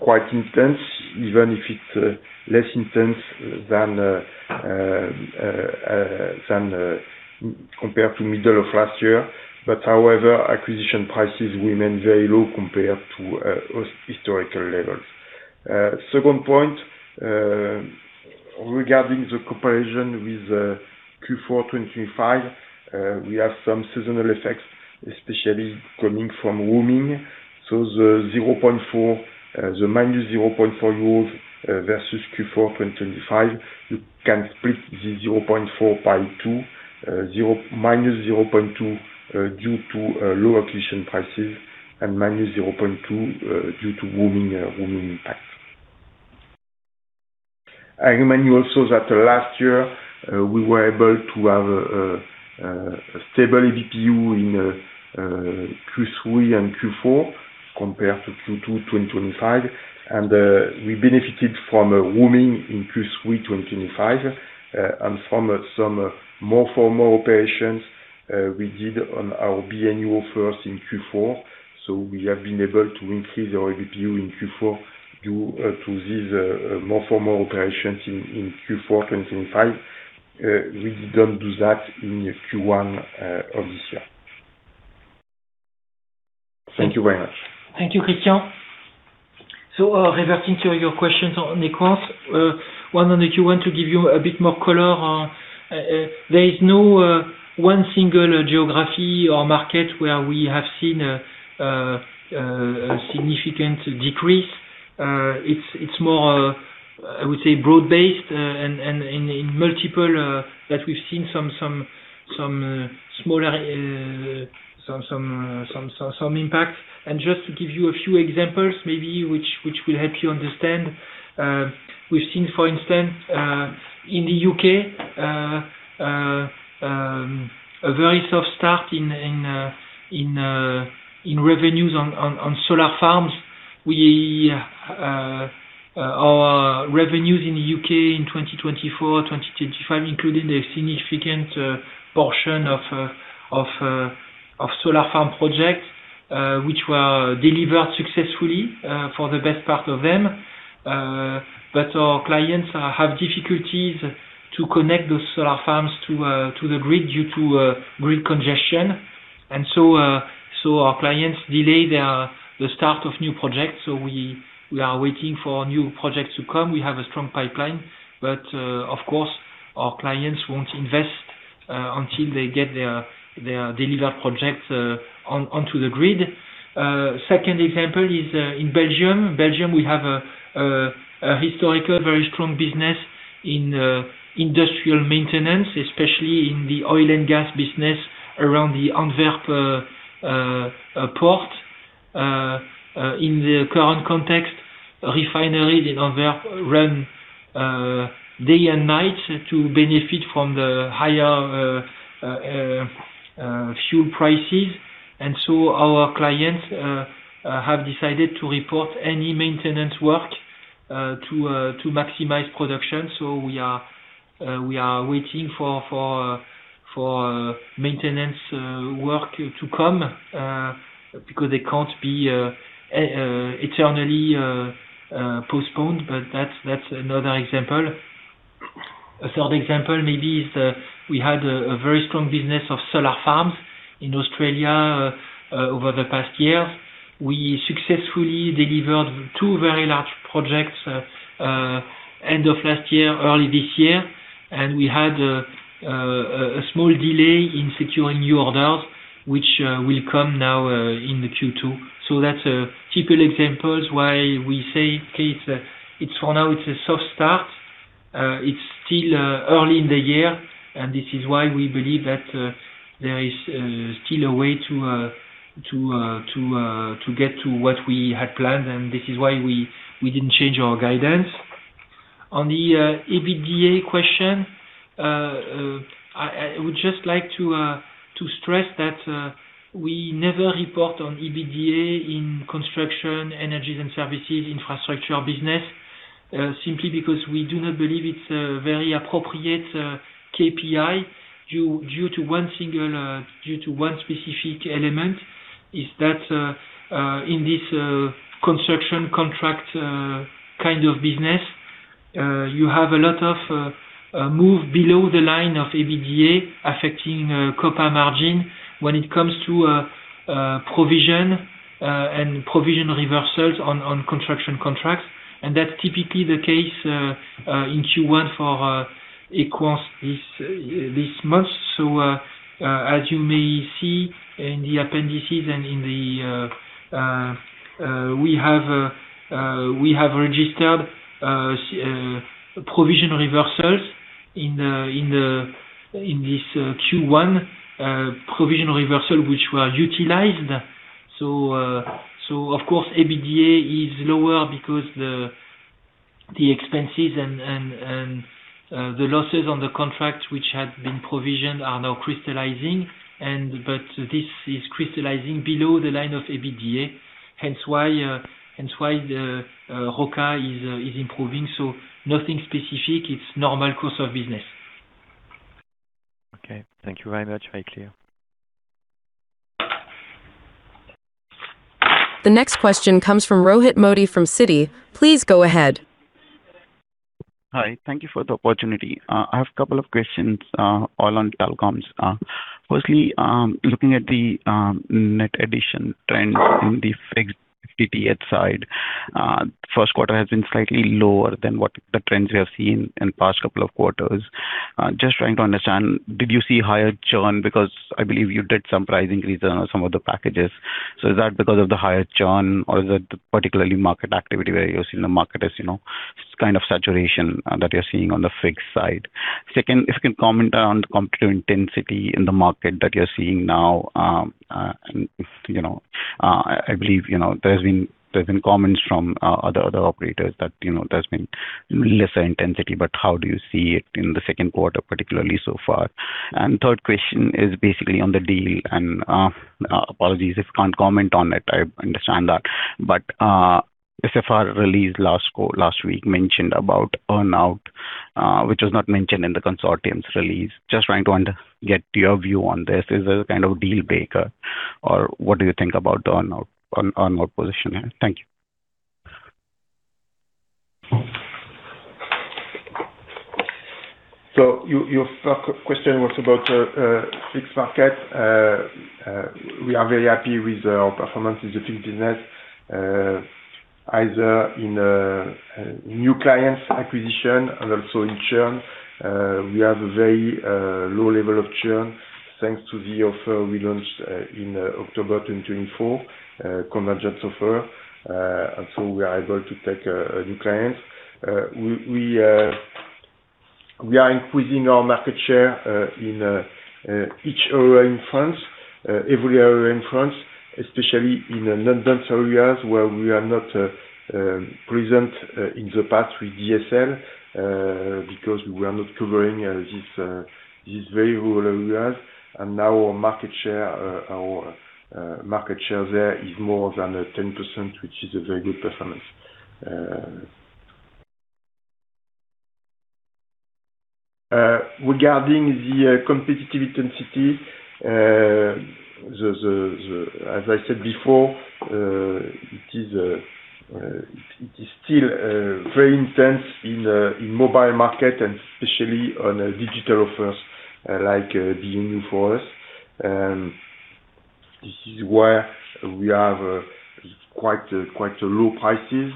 quite intense, even if it's less intense than compared to middle of last year. However, acquisition prices remain very low compared to historical levels. Second point, regarding the comparison with Q4 2025, we have some seasonal effects, especially coming from roaming. The -0.4 growth versus Q4 2025, you can split the 0.4 by two. -0.2 due to low acquisition prices and -0.2 due to roaming impact. I remind you also that last year, we were able to have a stable ABPU in Q3 and Q4 compared to Q2 2025. We benefited from a roaming in Q3 2025 and from some more formal operations we did on our B&YOU offers in Q4. We have been able to increase our ABPU in Q4 due to these more formal operations in Q4 2025. We didn't do that in Q1 of this year. Thank you very much. Thank you, Christian. Reverting to your questions on Equans. One on the Q1 to give you a bit more color on, there is no one single geography or market where we have seen a significant decrease. It's more, I would say broad-based, and in multiple that we've seen some smaller some impact. Just to give you a few examples maybe which will help you understand. We've seen, for instance, in the U.K., a very soft start in revenues on solar farms. We, our revenues in the U.K. in 2024, 2025, including a significant portion of solar farm projects, which were delivered successfully for the best part of them. Our clients have difficulties to connect those solar farms to the grid due to grid congestion. Our clients delay the start of new projects, so we are waiting for new projects to come. We have a strong pipeline, of course, our clients won't invest until they get their delivered projects onto the grid. Second example is in Belgium. Belgium, we have a historical, very strong business in industrial maintenance, especially in the oil and gas business around the Antwerp port. In the current context, refineries in Antwerp run day and night to benefit from the higher fuel prices. Our clients have decided to report any maintenance work to maximize production. We are waiting for maintenance work to come, because they can't be eternally postponed, but that's another example. A third example maybe is, we had a very strong business of solar farms in Australia over the past year. We successfully delivered two very large projects end of last year, early this year, and we had a small delay in securing new orders, which will come now in the Q2. That's typical examples why we say, okay, it's for now a soft start. It's still early in the year, and this is why we believe that there is still a way to get to what we had planned. This is why we didn't change our guidance. On the EBITDA question, I would just like to stress that we never report on EBITDA in construction, energies and services, infrastructure business, simply because we do not believe it's a very appropriate KPI due to one single, due to one specific element, is that in this construction contract kind of business, you have a lot of move below the line of EBITDA affecting COPA margin when it comes to provision and provision reversals on construction contracts. That's typically the case in Q1 for Equans this month. As you may see in the appendices and in the, we have registered provision reversals in the in this Q1, provision reversal which were utilized. Of course, EBITDA is lower because the expenses and the losses on the contract which had been provisioned are now crystallizing and, this is crystallizing below the line of EBITDA, hence why the COPA is improving. Nothing specific, it's normal course of business. Okay. Thank you very much. Very clear. The next question comes from Rohit Modi from Citi. Please go ahead. Hi. Thank you for the opportunity. I have a couple of questions, all on telecoms. Firstly, looking at the net addition trend in the fixed FTTH side, first quarter has been slightly lower than what the trends we have seen in past couple of quarters. Just trying to understand, did you see higher churn? I believe you did some pricing reserve on some of the packages. Is that because of the higher churn or is that particularly market activity where you're seeing the market as, you know, kind of saturation that you're seeing on the fixed side? Second, if you can comment on the competitive intensity in the market that you're seeing now. If, you know, I believe, you know, there's been comments from other operators that, you know, there's been lesser intensity, but how do you see it in the second quarter, particularly so far? Third question is basically on the deal, apologies if you can't comment on it, I understand that. SFR release last week mentioned about earn-out, which was not mentioned in the consortium's release. Just trying to get your view on this. Is it a kind of deal breaker or what do you think about the earn-out position here? Thank you. Your first question was about fixed market. We are very happy with our performance in the fixed business, either in new clients acquisition and also in churn. We have a very low level of churn thanks to the offer we launched in October 2024, convergence offer. We are able to take new clients. We are increasing our market share in each area in France, every area in France, especially in the non-dense areas where we are not present in the past with DSL, because we are not covering these very rural areas. Now our market share there is more than 10%, which is a very good performance. Regarding the competitive intensity, as I said before, it is still very intense in mobile market and especially on digital offers like B&You for us. This is why we have quite low prices,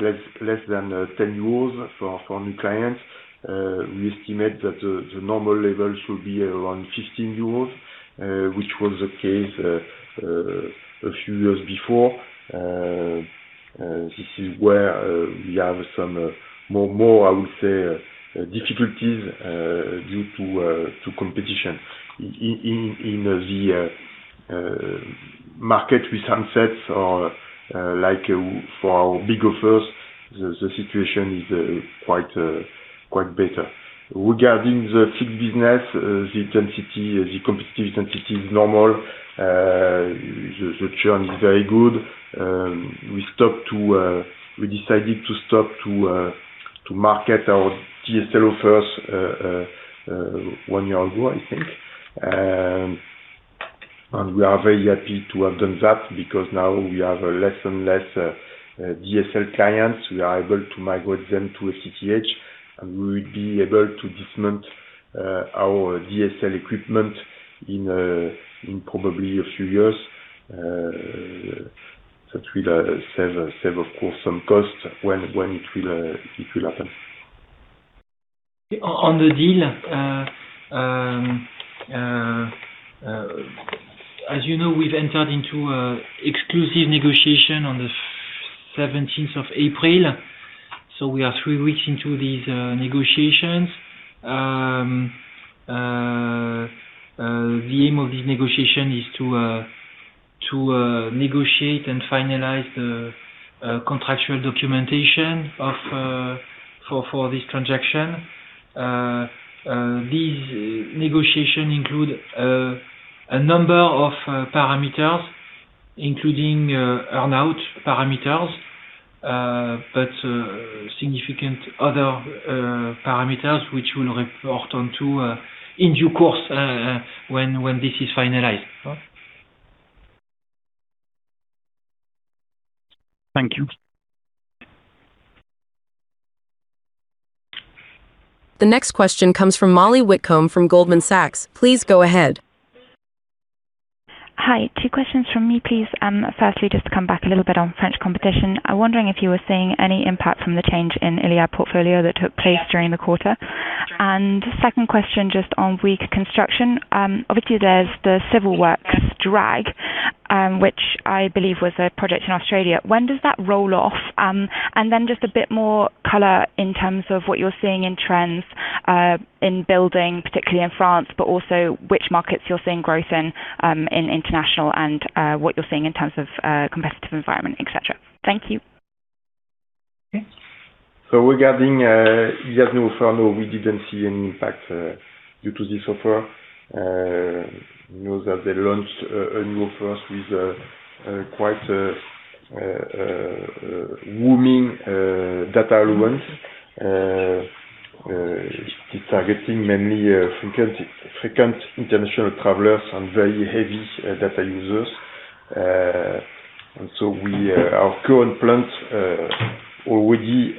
less than 10 euros for new clients. We estimate that the normal level should be around 15 euros, which was the case a few years before. This is where we have some more, I would say, difficulties due to competition. In the market with handsets or like for our big offers, the situation is quite better. Regarding the fixed business, the intensity, the competitive intensity is normal. The churn is very good. We decided to stop to market our DSL offers one year ago, I think. We are very happy to have done that because now we have less and less DSL clients. We are able to migrate them to FTTH, and we will be able to dismount our DSL equipment in probably a few years. That will save of course some costs when it will happen. On the deal, as you know, we've entered into exclusive negotiation on April 17th. We are three weeks into these negotiations. The aim of this negotiation is to negotiate and finalize the contractual documentation of for this transaction. These negotiations include a number of parameters, including earn-out parameters, but significant other parameters which we'll report on to in due course when this is finalized. Thank you. The next question comes from Mollie Witcombe from Goldman Sachs. Please go ahead. Hi. Two questions from me, please. Firstly, just to come back a little bit on French competition. I'm wondering if you were seeing any impact from the change in Iliad portfolio that took place during the quarter. Second question just on Bouygues Construction. Obviously, there's the civil works drag, which I believe was a project in Australia. When does that roll off? Just a bit more color in terms of what you're seeing in trends in building, particularly in France, but also which markets you're seeing growth in in international and what you're seeing in terms of competitive environment, et cetera. Thank you. Okay. Regarding Iliad's new offer, no, we didn't see any impact due to this offer. Know that they launched a new offer with a quite a roaming data allowance. It's targeting mainly frequent international travelers and very heavy data users. We, our current plans already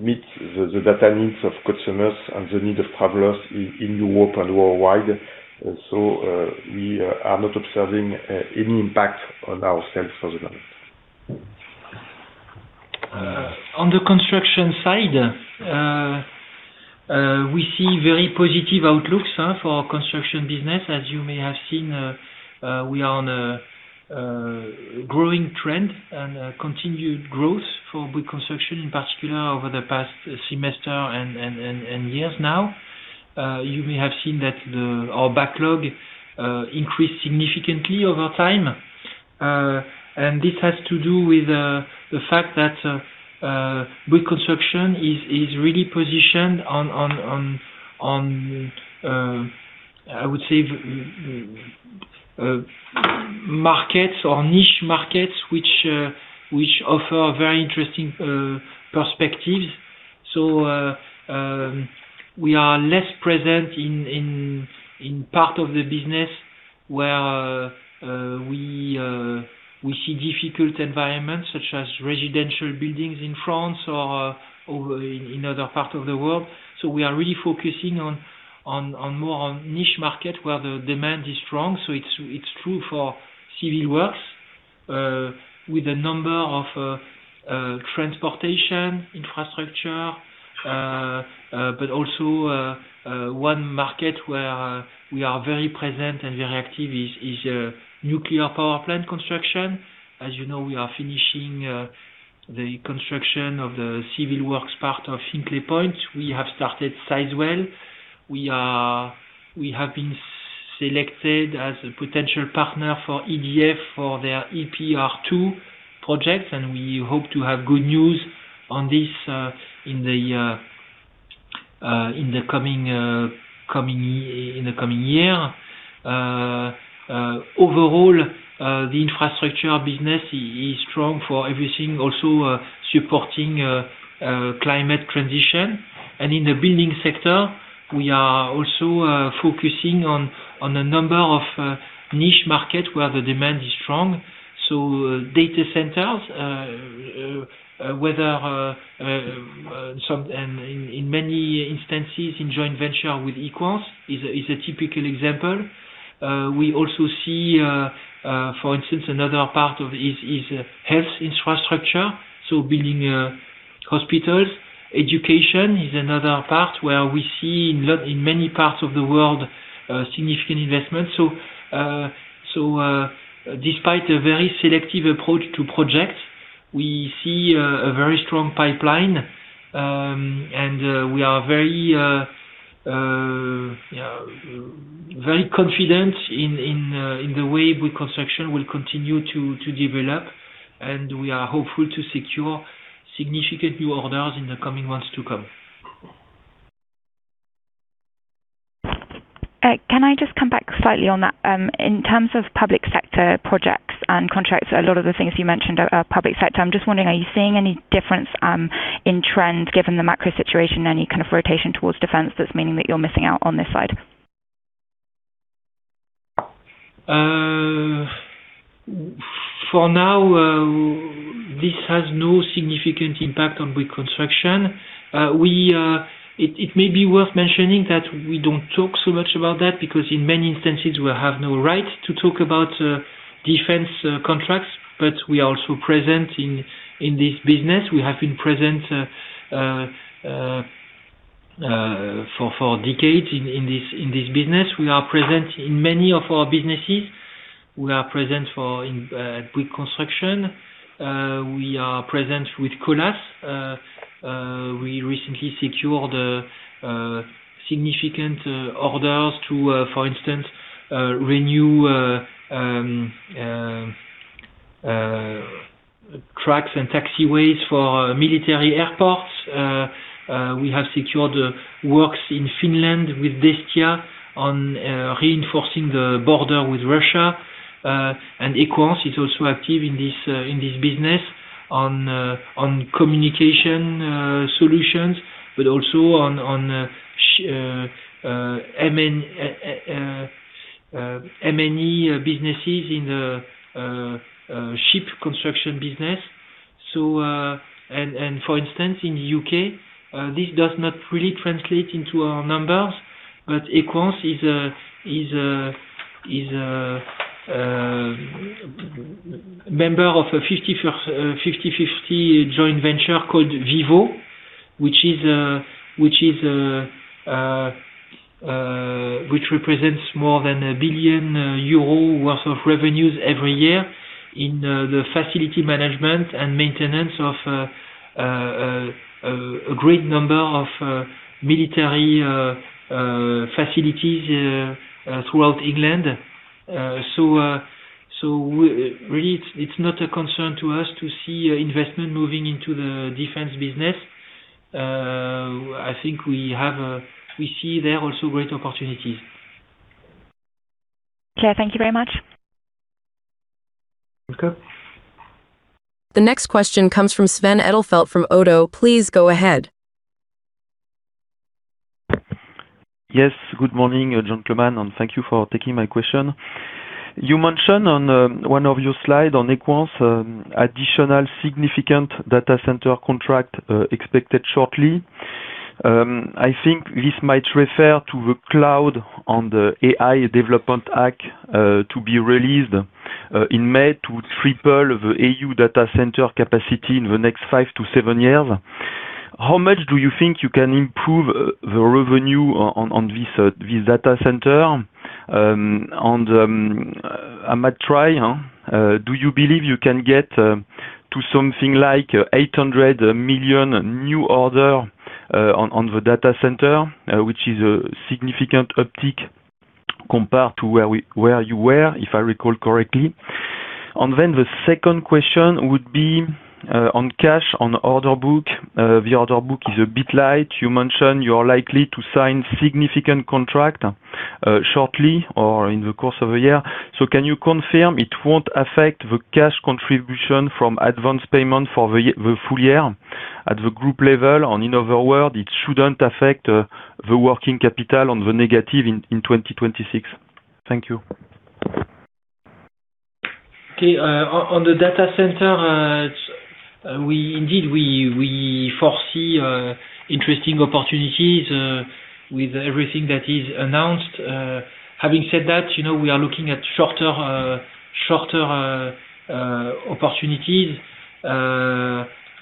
meet the data needs of customers and the need of travelers in Europe and worldwide. We are not observing any impact on ourselves for the moment. On the construction side, we see very positive outlooks for our construction business. As you may have seen, we are on a growing trend and continued growth for Bouygues Construction, in particular over the past semester and years now. You may have seen that our backlog increased significantly over time. This has to do with the fact that Bouygues Construction is really positioned on, I would say, markets or niche markets which offer very interesting perspectives. We are less present in part of the business where we see difficult environments such as residential buildings in France or over in other parts of the world. We are really focusing on more on niche market where the demand is strong. It's true for civil works, with a number of transportation infrastructure, but also one market where we are very present and very active is nuclear power plant construction. As you know, we are finishing the construction of the civil works part of Hinkley Point. We have started Sizewell. We have been selected as a potential partner for EDF for their EPR2 projects, and we hope to have good news on this in the coming year. Overall, the infrastructure business is strong for everything, also supporting climate transition. In the building sector, we are also focusing on a number of niche market where the demand is strong. Data centers, whether some and in many instances in joint venture with Equans is a typical example. We also see, for instance, another part of is health infrastructure, so building hospitals. Education is another part where we see in many parts of the world, significant investment. Despite a very selective approach to projects, we see a very strong pipeline, and we are very, you know, very confident in the way Bouygues Construction will continue to develop, and we are hopeful to secure significant new orders in the coming months to come. Can I just come back slightly on that? In terms of public sector projects and contracts, a lot of the things you mentioned are public sector. I'm just wondering, are you seeing any difference in trends, given the macro situation, any kind of rotation towards defense that's meaning that you're missing out on this side? For now, this has no significant impact on Bouygues Construction. We, it may be worth mentioning that we don't talk so much about that because in many instances we have no right to talk about defense contracts, but we are also present in this business. We have been present for decades in this business. We are present in many of our businesses. We are present in Bouygues Construction. We are present with Colas. We recently secured significant orders to, for instance, renew tracks and taxiways for military airports. We have secured works in Finland with Destia on reinforcing the border with Russia. Equans is also active in this business on communication solutions, but also on M&E businesses in ship construction business. For instance, in the U.K., this does not really translate into our numbers, but Equans is a member of a 50/50 joint venture called Vivo, which represents more than 1 billion euro worth of revenues every year in the facility management and maintenance of a great number of military facilities throughout England. Really, it's not a concern to us to see investment moving into the defense business. I think we have we see there also great opportunities. Okay. Thank you very much. Welcome. The next question comes from Sven Edelfelt from ODDO. Please go ahead. Yes, good morning, gentlemen, and thank you for taking my question. You mentioned on one of your slide on Equans, additional significant data center contract expected shortly. I think this might refer to the Cloud and AI Development Act, to be released in May to triple the EU data center capacity in the next five to seven years. How much do you think you can improve the revenue on this data center? I might try, do you believe you can get to something like 800 million new order on the data center, which is a significant uptick compared to where you were, if I recall correctly. The second question would be on cash, on order book. The order book is a bit light. You mentioned you are likely to sign significant contract shortly or in the course of a year. Can you confirm it won't affect the cash contribution from advanced payment for the full year at the group level? In other word, it shouldn't affect the working capital on the negative in 2026? Thank you. Okay. On the data center, we indeed, we foresee interesting opportunities with everything that is announced. Having said that, you know, we are looking at shorter opportunities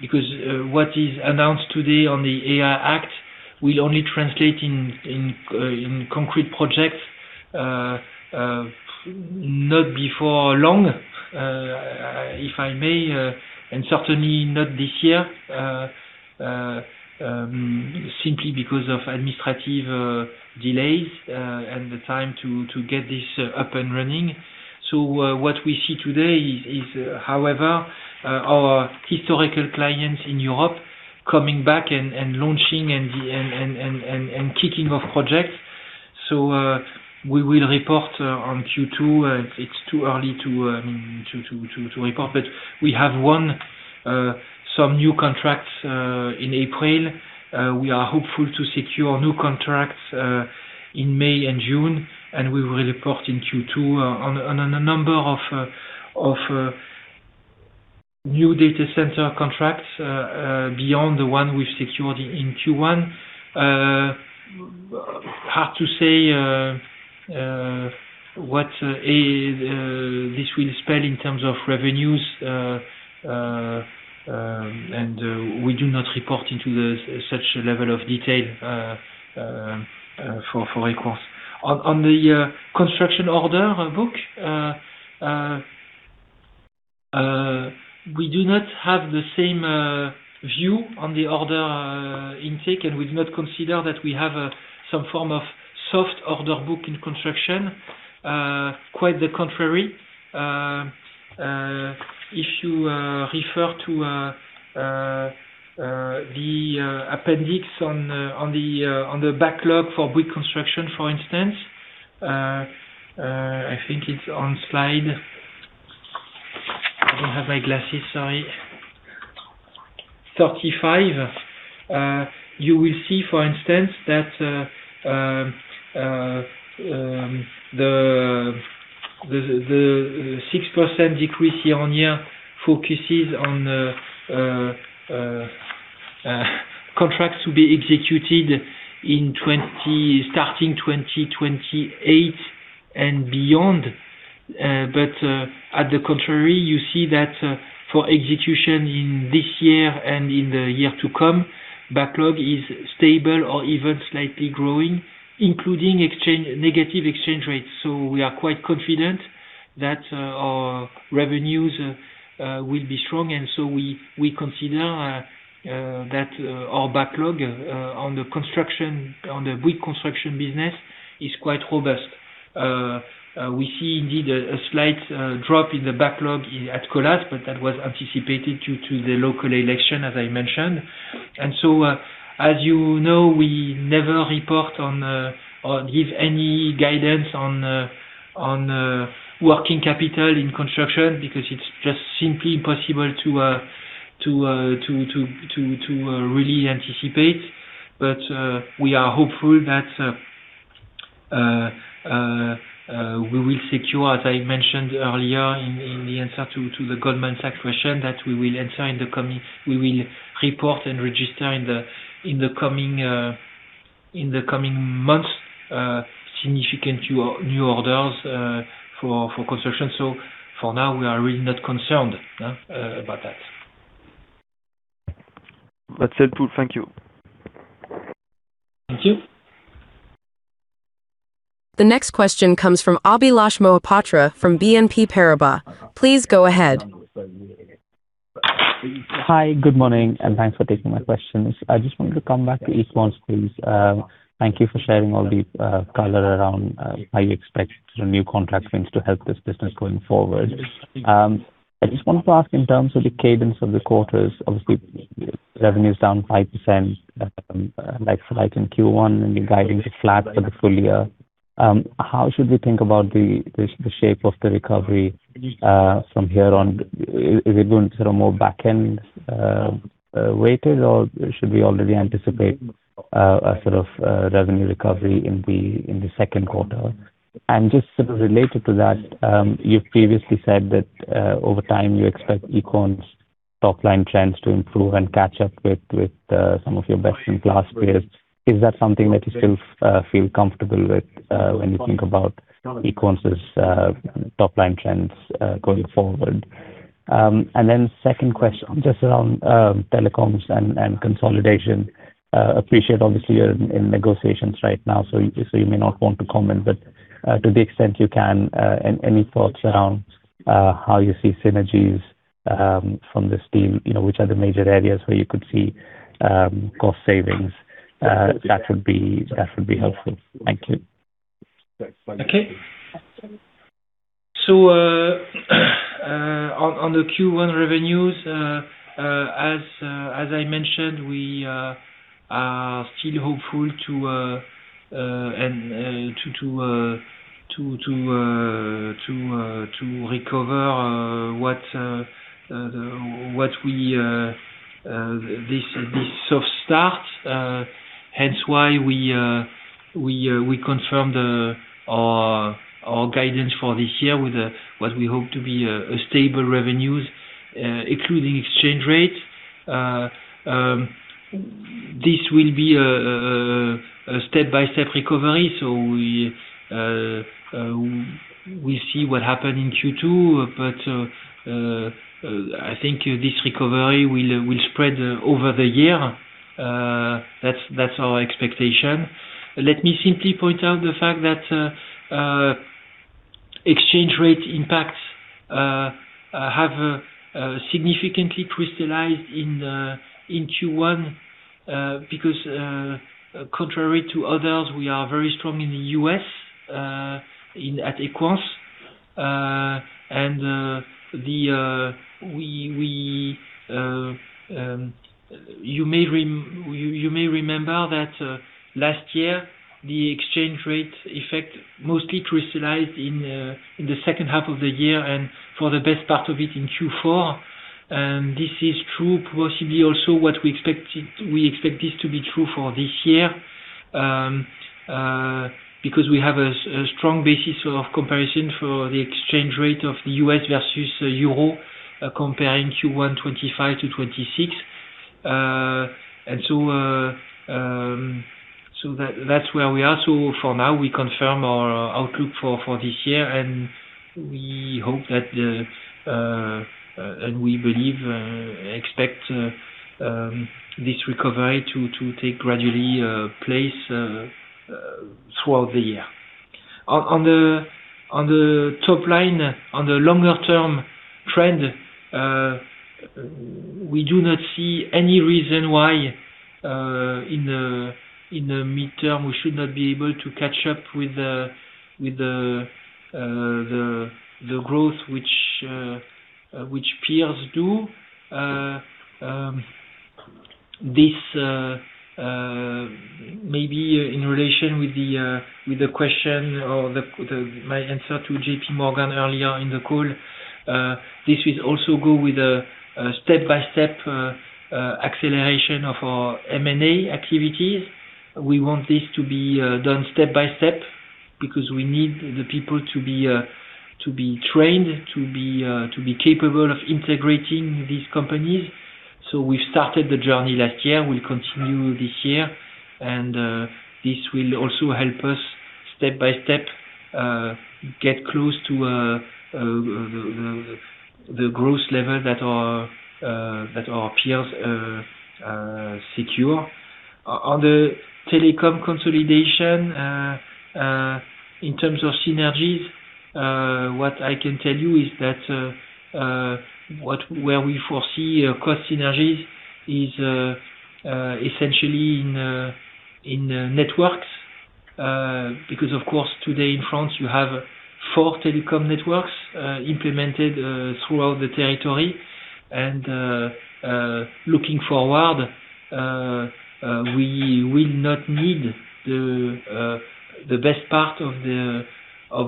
because what is announced today on the AI Act will only translate in concrete projects not before long, if I may, and certainly not this year, simply because of administrative delays and the time to get this up and running. What we see today is however, our historical clients in Europe coming back and launching and kicking off projects. We will report on Q2. It's too early to report, but we have won some new contracts in April. We are hopeful to secure new contracts in May and June, and we will report in Q2 on a number of new data center contracts beyond the one we've secured in Q1. Hard to say what this will spell in terms of revenues. We do not report into such a level of detail for Equans. On the construction order book, we do not have the same view on the order intake, and we do not consider that we have some form of soft order book in construction. Quite the contrary. If you refer to the appendix on the backlog for Bouygues Construction, for instance, I think it's on slide 35. You will see, for instance, that the 6% decrease year-on-year focuses on contracts to be executed starting 2028 and beyond. On the contrary, you see that for execution in this year and in the year to come, backlog is stable or even slightly growing, including negative exchange rates. We are quite confident that our revenues will be strong. We consider that our backlog on the Bouygues Construction business is quite robust. We see indeed a slight drop in the backlog at Colas, but that was anticipated due to the local election, as I mentioned. As you know, we never report on, give any guidance on working capital in construction because it's just simply impossible to really anticipate. We are hopeful that we will secure, as I mentioned earlier in the answer to the Goldman Sachs question, that we will, we will report and register in the coming months significant new orders for construction. For now, we are really not concerned about that. That's helpful. Thank you. Thank you. The next question comes from Abhilash Mohapatra from BNP Paribas. Please go ahead. Hi. Good morning. Thanks for taking my questions. I just wanted to come back to Equans, please. Thank you for sharing all the color around how you expect sort of new contract wins to help this business going forward. I just wanted to ask in terms of the cadence of the quarters, obviously revenue's down 5% like-for-like in Q1, and you're guiding flat for the full year. How should we think about the shape of the recovery from here on? Is it going sort of more back-end weighted, or should we already anticipate a sort of revenue recovery in the second quarter? Just sort of related to that, you've previously said that over time you expect Equans' top line trends to improve and catch up with some of your best-in-class peers. Is that something that you still feel comfortable with when you think about Equans' top line trends going forward? Second question just around telecoms and consolidation. Appreciate obviously you're in negotiations right now, so you may not want to comment, but to the extent you can, and any thoughts around how you see synergies from this deal, you know, which are the major areas where you could see cost savings? That would be helpful. Thank you. Okay. On the Q1 revenues, as I mentioned, we are still hopeful to recover what we, this soft start. Hence why we confirm our guidance for this year with what we hope to be a stable revenues, excluding exchange rate. This will be a step-by-step recovery, so we'll see what happen in Q2. I think this recovery will spread over the year. That's our expectation. Let me simply point out the fact that exchange rate impacts have significantly crystallized in Q1 because contrary to others, we are very strong in the U.S., in, at Equans. You may remember that last year, the exchange rate effect mostly crystallized in the second half of the year and for the best part of it in Q4. This is true possibly also what we expected. We expect this to be true for this year because we have a strong basis of comparison for the exchange rate of the U.S. versus Euro, comparing Q1 2025 to 2026. So that's where we are. For now, we confirm our outlook for this year, and we hope that and we believe, expect this recovery to take gradually place throughout the year. On the top line, on the longer-term trend, we do not see any reason why in the midterm, we should not be able to catch up with the growth which peers do. This, maybe in relation with the question or my answer to JPMorgan earlier in the call. This will also go with a step-by-step acceleration of our M&A activities. We want this to be done step by step because we need the people to be trained, to be capable of integrating these companies. We've started the journey last year. We'll continue this year, and this will also help us step by step get close to the growth level that our peers secure. On the telecom consolidation, in terms of synergies, what I can tell you is that where we foresee our cost synergies is essentially in networks. Because of course, today in France, you have four telecom networks implemented throughout the territory. Looking forward, we will not need the best part of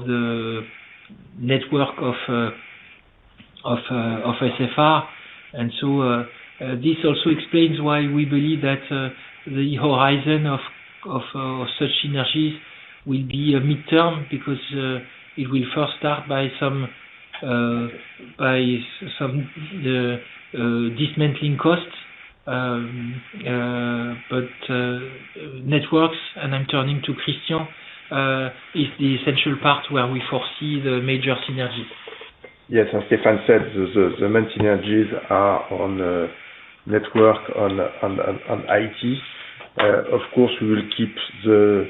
the network of SFR. This also explains why we believe that the horizon of such synergies will be a midterm because it will first start by some dismantling costs. Networks, and I am turning to Christian, is the essential part where we foresee the major synergies. Yes. As Stéphane said, the main synergies are on the network on IT. Of course, we will keep the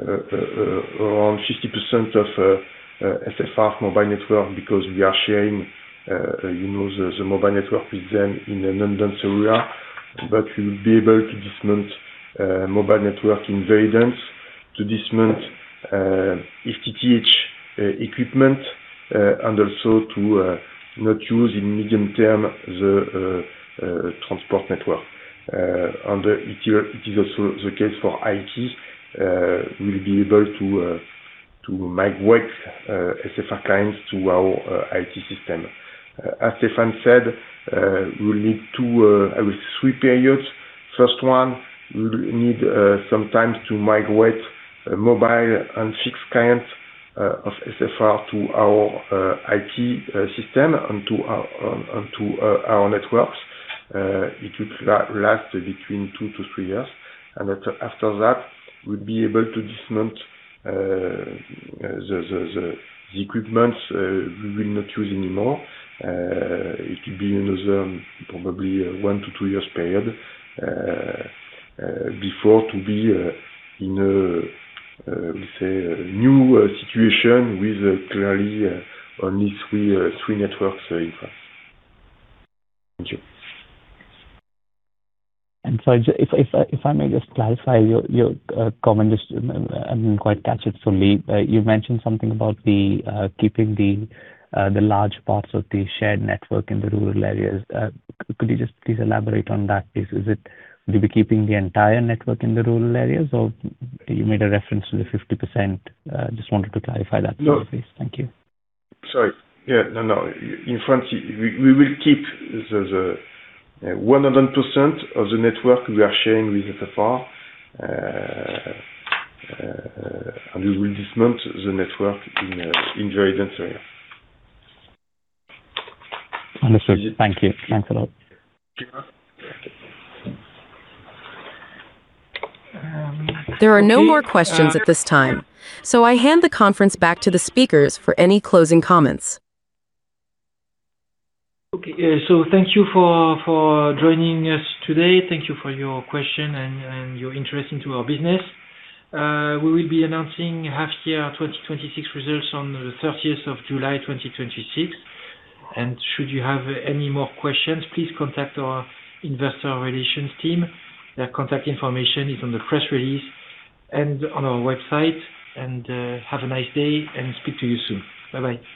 around 50% of SFR mobile network because we are sharing, you know, the mobile network with them in a non-dense area. We'll be able to dismount mobile network in very dense, to dismount FTTH equipment, and also to not use in medium term the transport network. It is also the case for IT. We'll be able to migrate SFR clients to our IT system. As Stéphane said, we'll need two, I will say three periods. First one, we'll need some time to migrate mobile and fixed clients of SFR to our IT system and to our networks. It will last between two to three years. After that, we'll be able to dismount the equipment we will not use anymore. It will be another probably one to two years period before to be in a, we say, a new situation with clearly only three networks [in France]. Thank you. If I may just clarify your comment. Just, I didn't quite catch it fully. You mentioned something about keeping the large parts of the shared network in the rural areas. Could you just please elaborate on that please? Will you be keeping the entire network in the rural areas or you made a reference to the 50%? Just wanted to clarify that for me please. Thank you. Sorry. Yeah. No, no. In France, we will keep the 100% of the network we are sharing with SFR. We will dismount the network in very dense area. Understood. Thank you. Thanks a lot. There are no more questions at this time, so I hand the conference back to the speakers for any closing comments. Thank you for joining us today. Thank you for your question and your interest into our business. We will be announcing half year 2026 results on July 30th, 2026. Should you have any more questions, please contact our investor relations team. Their contact information is on the press release and on our website. Have a nice day, speak to you soon. Bye-bye.